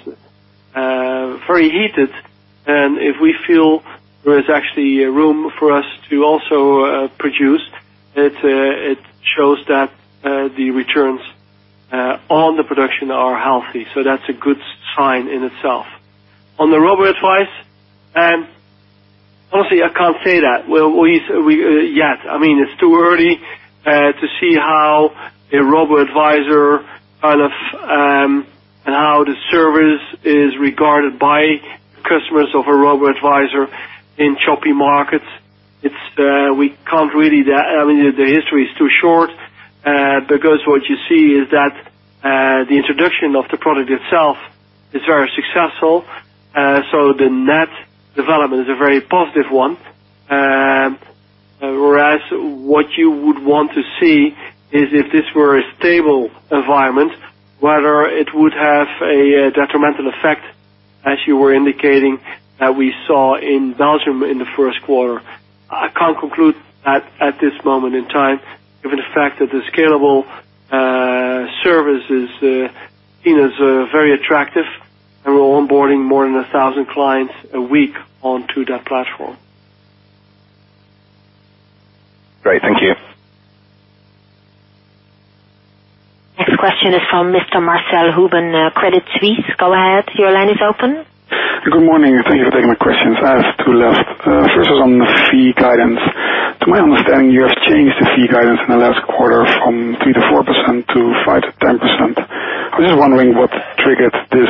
very heated. If we feel there is actually room for us to also produce, it shows that are healthy. That's a good sign in itself. On the robo-advice, honestly, I can't say that yet. It's too early to see how a robo-advisor, and how the service is regarded by customers of a robo-advisor in choppy markets. The history is too short, because what you see is that the introduction of the product itself is very successful. The net development is a very positive one. Whereas what you would want to see is if this were a stable environment, whether it would have a detrimental effect as you were indicating, that we saw in Belgium in the first quarter. I can't conclude at this moment in time, given the fact that the Scalable service is seen as very attractive, and we're onboarding more than 1,000 clients a week onto that platform. Great. Thank you. Next question is from Mr. Marcelo Huen, Credit Suisse. Go ahead, your line is open. Good morning. Thank you for taking my questions. I have two left. First is on the fee guidance. To my understanding, you have changed the fee guidance in the last quarter from 3%-4% to 5%-10%. I'm just wondering what triggered this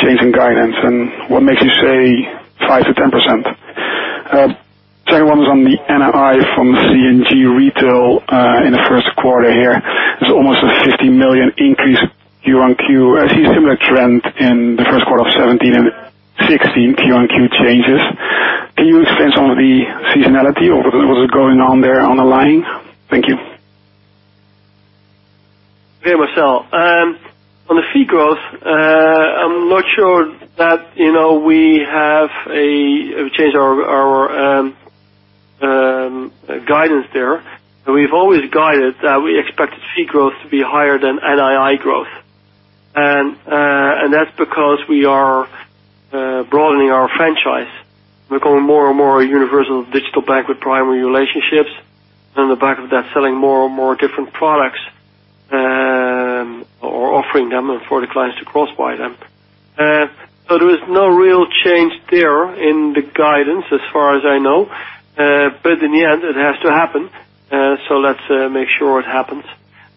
change in guidance, and what makes you say 5%-10%? Second one is on the NII from the C&G retail in the first quarter here. It's almost a 50 million increase quarter-over-quarter. I see a similar trend in the first quarter of 2017 and 2016, quarter-over-quarter changes. Can you explain some of the seasonality or what is going on there on the line? Thank you. Marcelo. On the fee growth, I'm not sure that we have changed our guidance there. We've always guided that we expected fee growth to be higher than NII growth. That's because we are broadening our franchise. We're becoming more and more a universal digital bank with primary relationships. On the back of that, selling more and more different products, or offering them and for the clients to cross-buy them. There is no real change there in the guidance, as far as I know. In the end, it has to happen, so let's make sure it happens,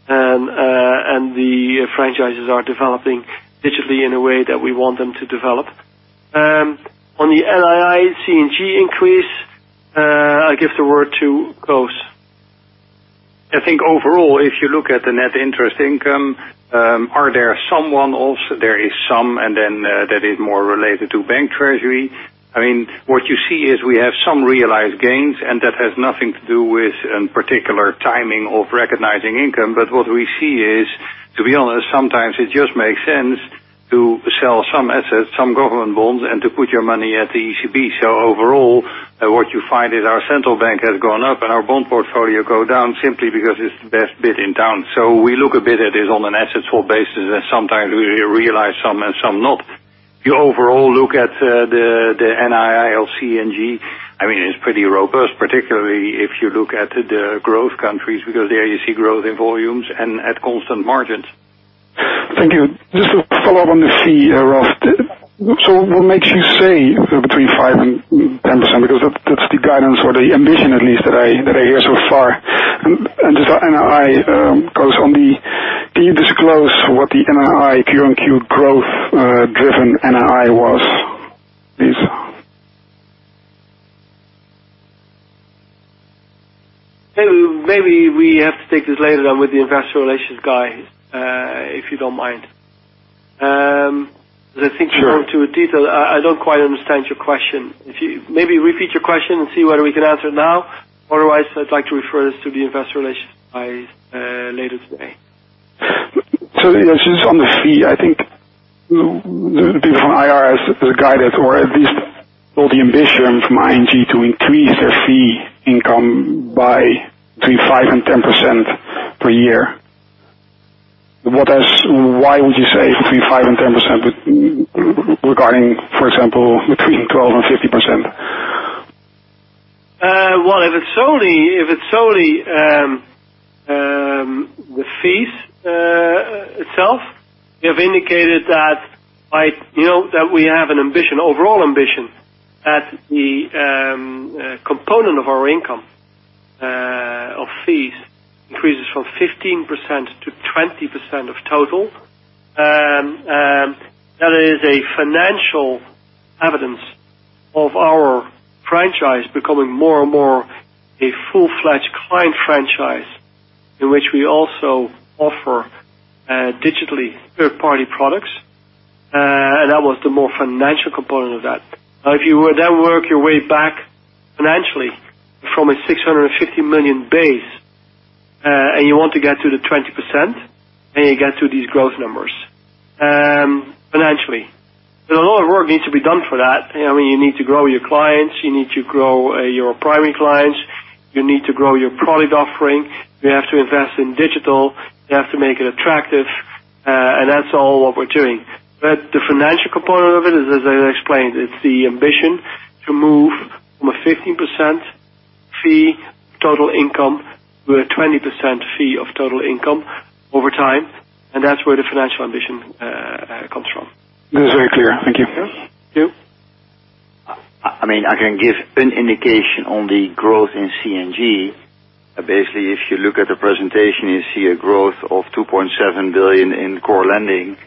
and the franchises are developing digitally in a way that we want them to develop. On the NII C&G increase, I give the word to Koos. I think overall, if you look at the net interest income, there is some, and then that is more related to bank treasury. What you see is we have some realized gains, and that has nothing to do with any particular timing of recognizing income. What we see is, to be honest, sometimes it just makes sense to sell some assets, some government bonds, and to put your money at the ECB. Overall, what you find is our central bank has gone up and our bond portfolio go down simply because it's the best bid in town. We look a bit at it on an assets whole basis, and sometimes we realize some and some not. You overall look at the NII C&G, it is pretty robust, particularly if you look at the growth countries, because there you see growth in volumes and at constant margins. Thank you. Just to follow up on the fee, Ralph. What makes you say between 5% and 10%? Because that is the guidance or the ambition at least that I hear so far. Just on NII, Koos, can you disclose what the NII quarter-over-quarter growth driven NII was please? Maybe we have to take this later on with the investor relations guy, if you do not mind. Because I think to go into a detail, I do not quite understand your question. Maybe repeat your question and see whether we can answer it now. Otherwise, I would like to refer this to the investor relations guys later today. Just on the fee, I think the people from IR guided, or at least all the ambition from ING to increase their fee income by between 5% and 10% per year. Why would you say between 5% and 10% regarding, for example, between 12% and 15%? If it's solely the fees itself, we have indicated that we have an overall ambition that the component of our income of fees increases from 15%-20% of total. That is a financial evidence of our franchise becoming more and more a full-fledged client franchise, in which we also offer digitally third-party products. That was the more financial component of that. If you would then work your way back financially from a 650 million base, and you want to get to the 20%, and you get to these growth numbers financially. A lot of work needs to be done for that. You need to grow your clients, you need to grow your primary clients, you need to grow your product offering, you have to invest in digital, you have to make it attractive. That's all what we're doing. The financial component of it, as I explained, it's the ambition to move from a 15% total income with a 20% fee of total income over time, and that's where the financial ambition comes from. That's very clear. Thank you. Thank you. I can give an indication on the growth in C&G. Basically, if you look at the presentation, you see a growth of 2.7 billion in core lending.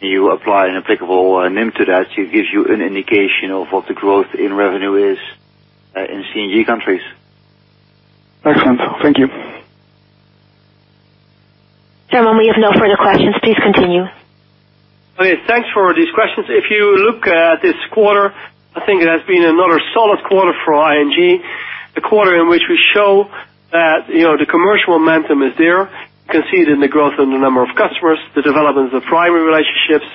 You apply an applicable NIM to that, it gives you an indication of what the growth in revenue is in C&G countries. Excellent. Thank you. Gentlemen, we have no further questions. Please continue. Okay, thanks for these questions. If you look at this quarter, I think it has been another solid quarter for ING. The quarter in which we show that the commercial momentum is there. You can see it in the growth in the number of customers, the development of the primary relationships,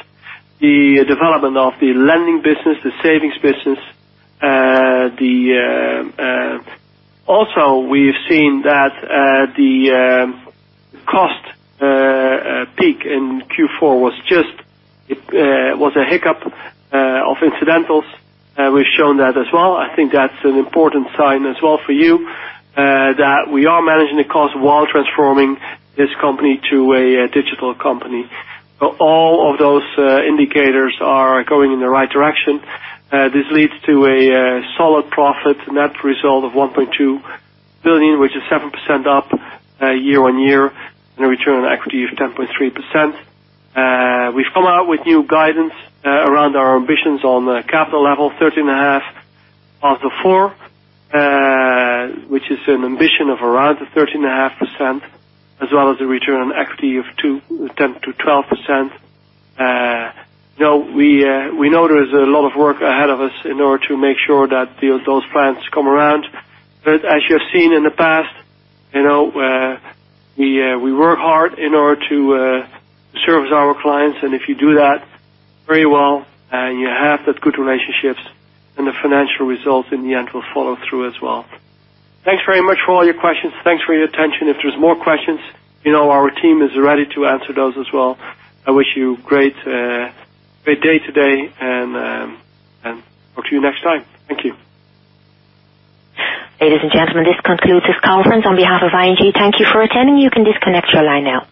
the development of the lending business, the savings business. Also, we've seen that the cost peak in Q4 was a hiccup of incidentals. We've shown that as well. I think that's an important sign as well for you, that we are managing the cost while transforming this company to a digital company. All of those indicators are going in the right direction. This leads to a solid profit net result of 1.2 billion, which is 7% up year-on-year, and a return on equity of 10.3%. We've come out with new guidance around our ambitions on capital level 13.5 of the four, which is an ambition of around the 13.5%, as well as the return on equity of 10%-12%. We know there is a lot of work ahead of us in order to make sure that those plans come around. As you have seen in the past, we work hard in order to service our clients, and if you do that very well and you have that good relationships, then the financial results in the end will follow through as well. Thanks very much for all your questions. Thanks for your attention. If there's more questions, our team is ready to answer those as well. I wish you great day today, and talk to you next time. Thank you. Ladies and gentlemen, this concludes this conference. On behalf of ING, thank you for attending. You can disconnect your line now.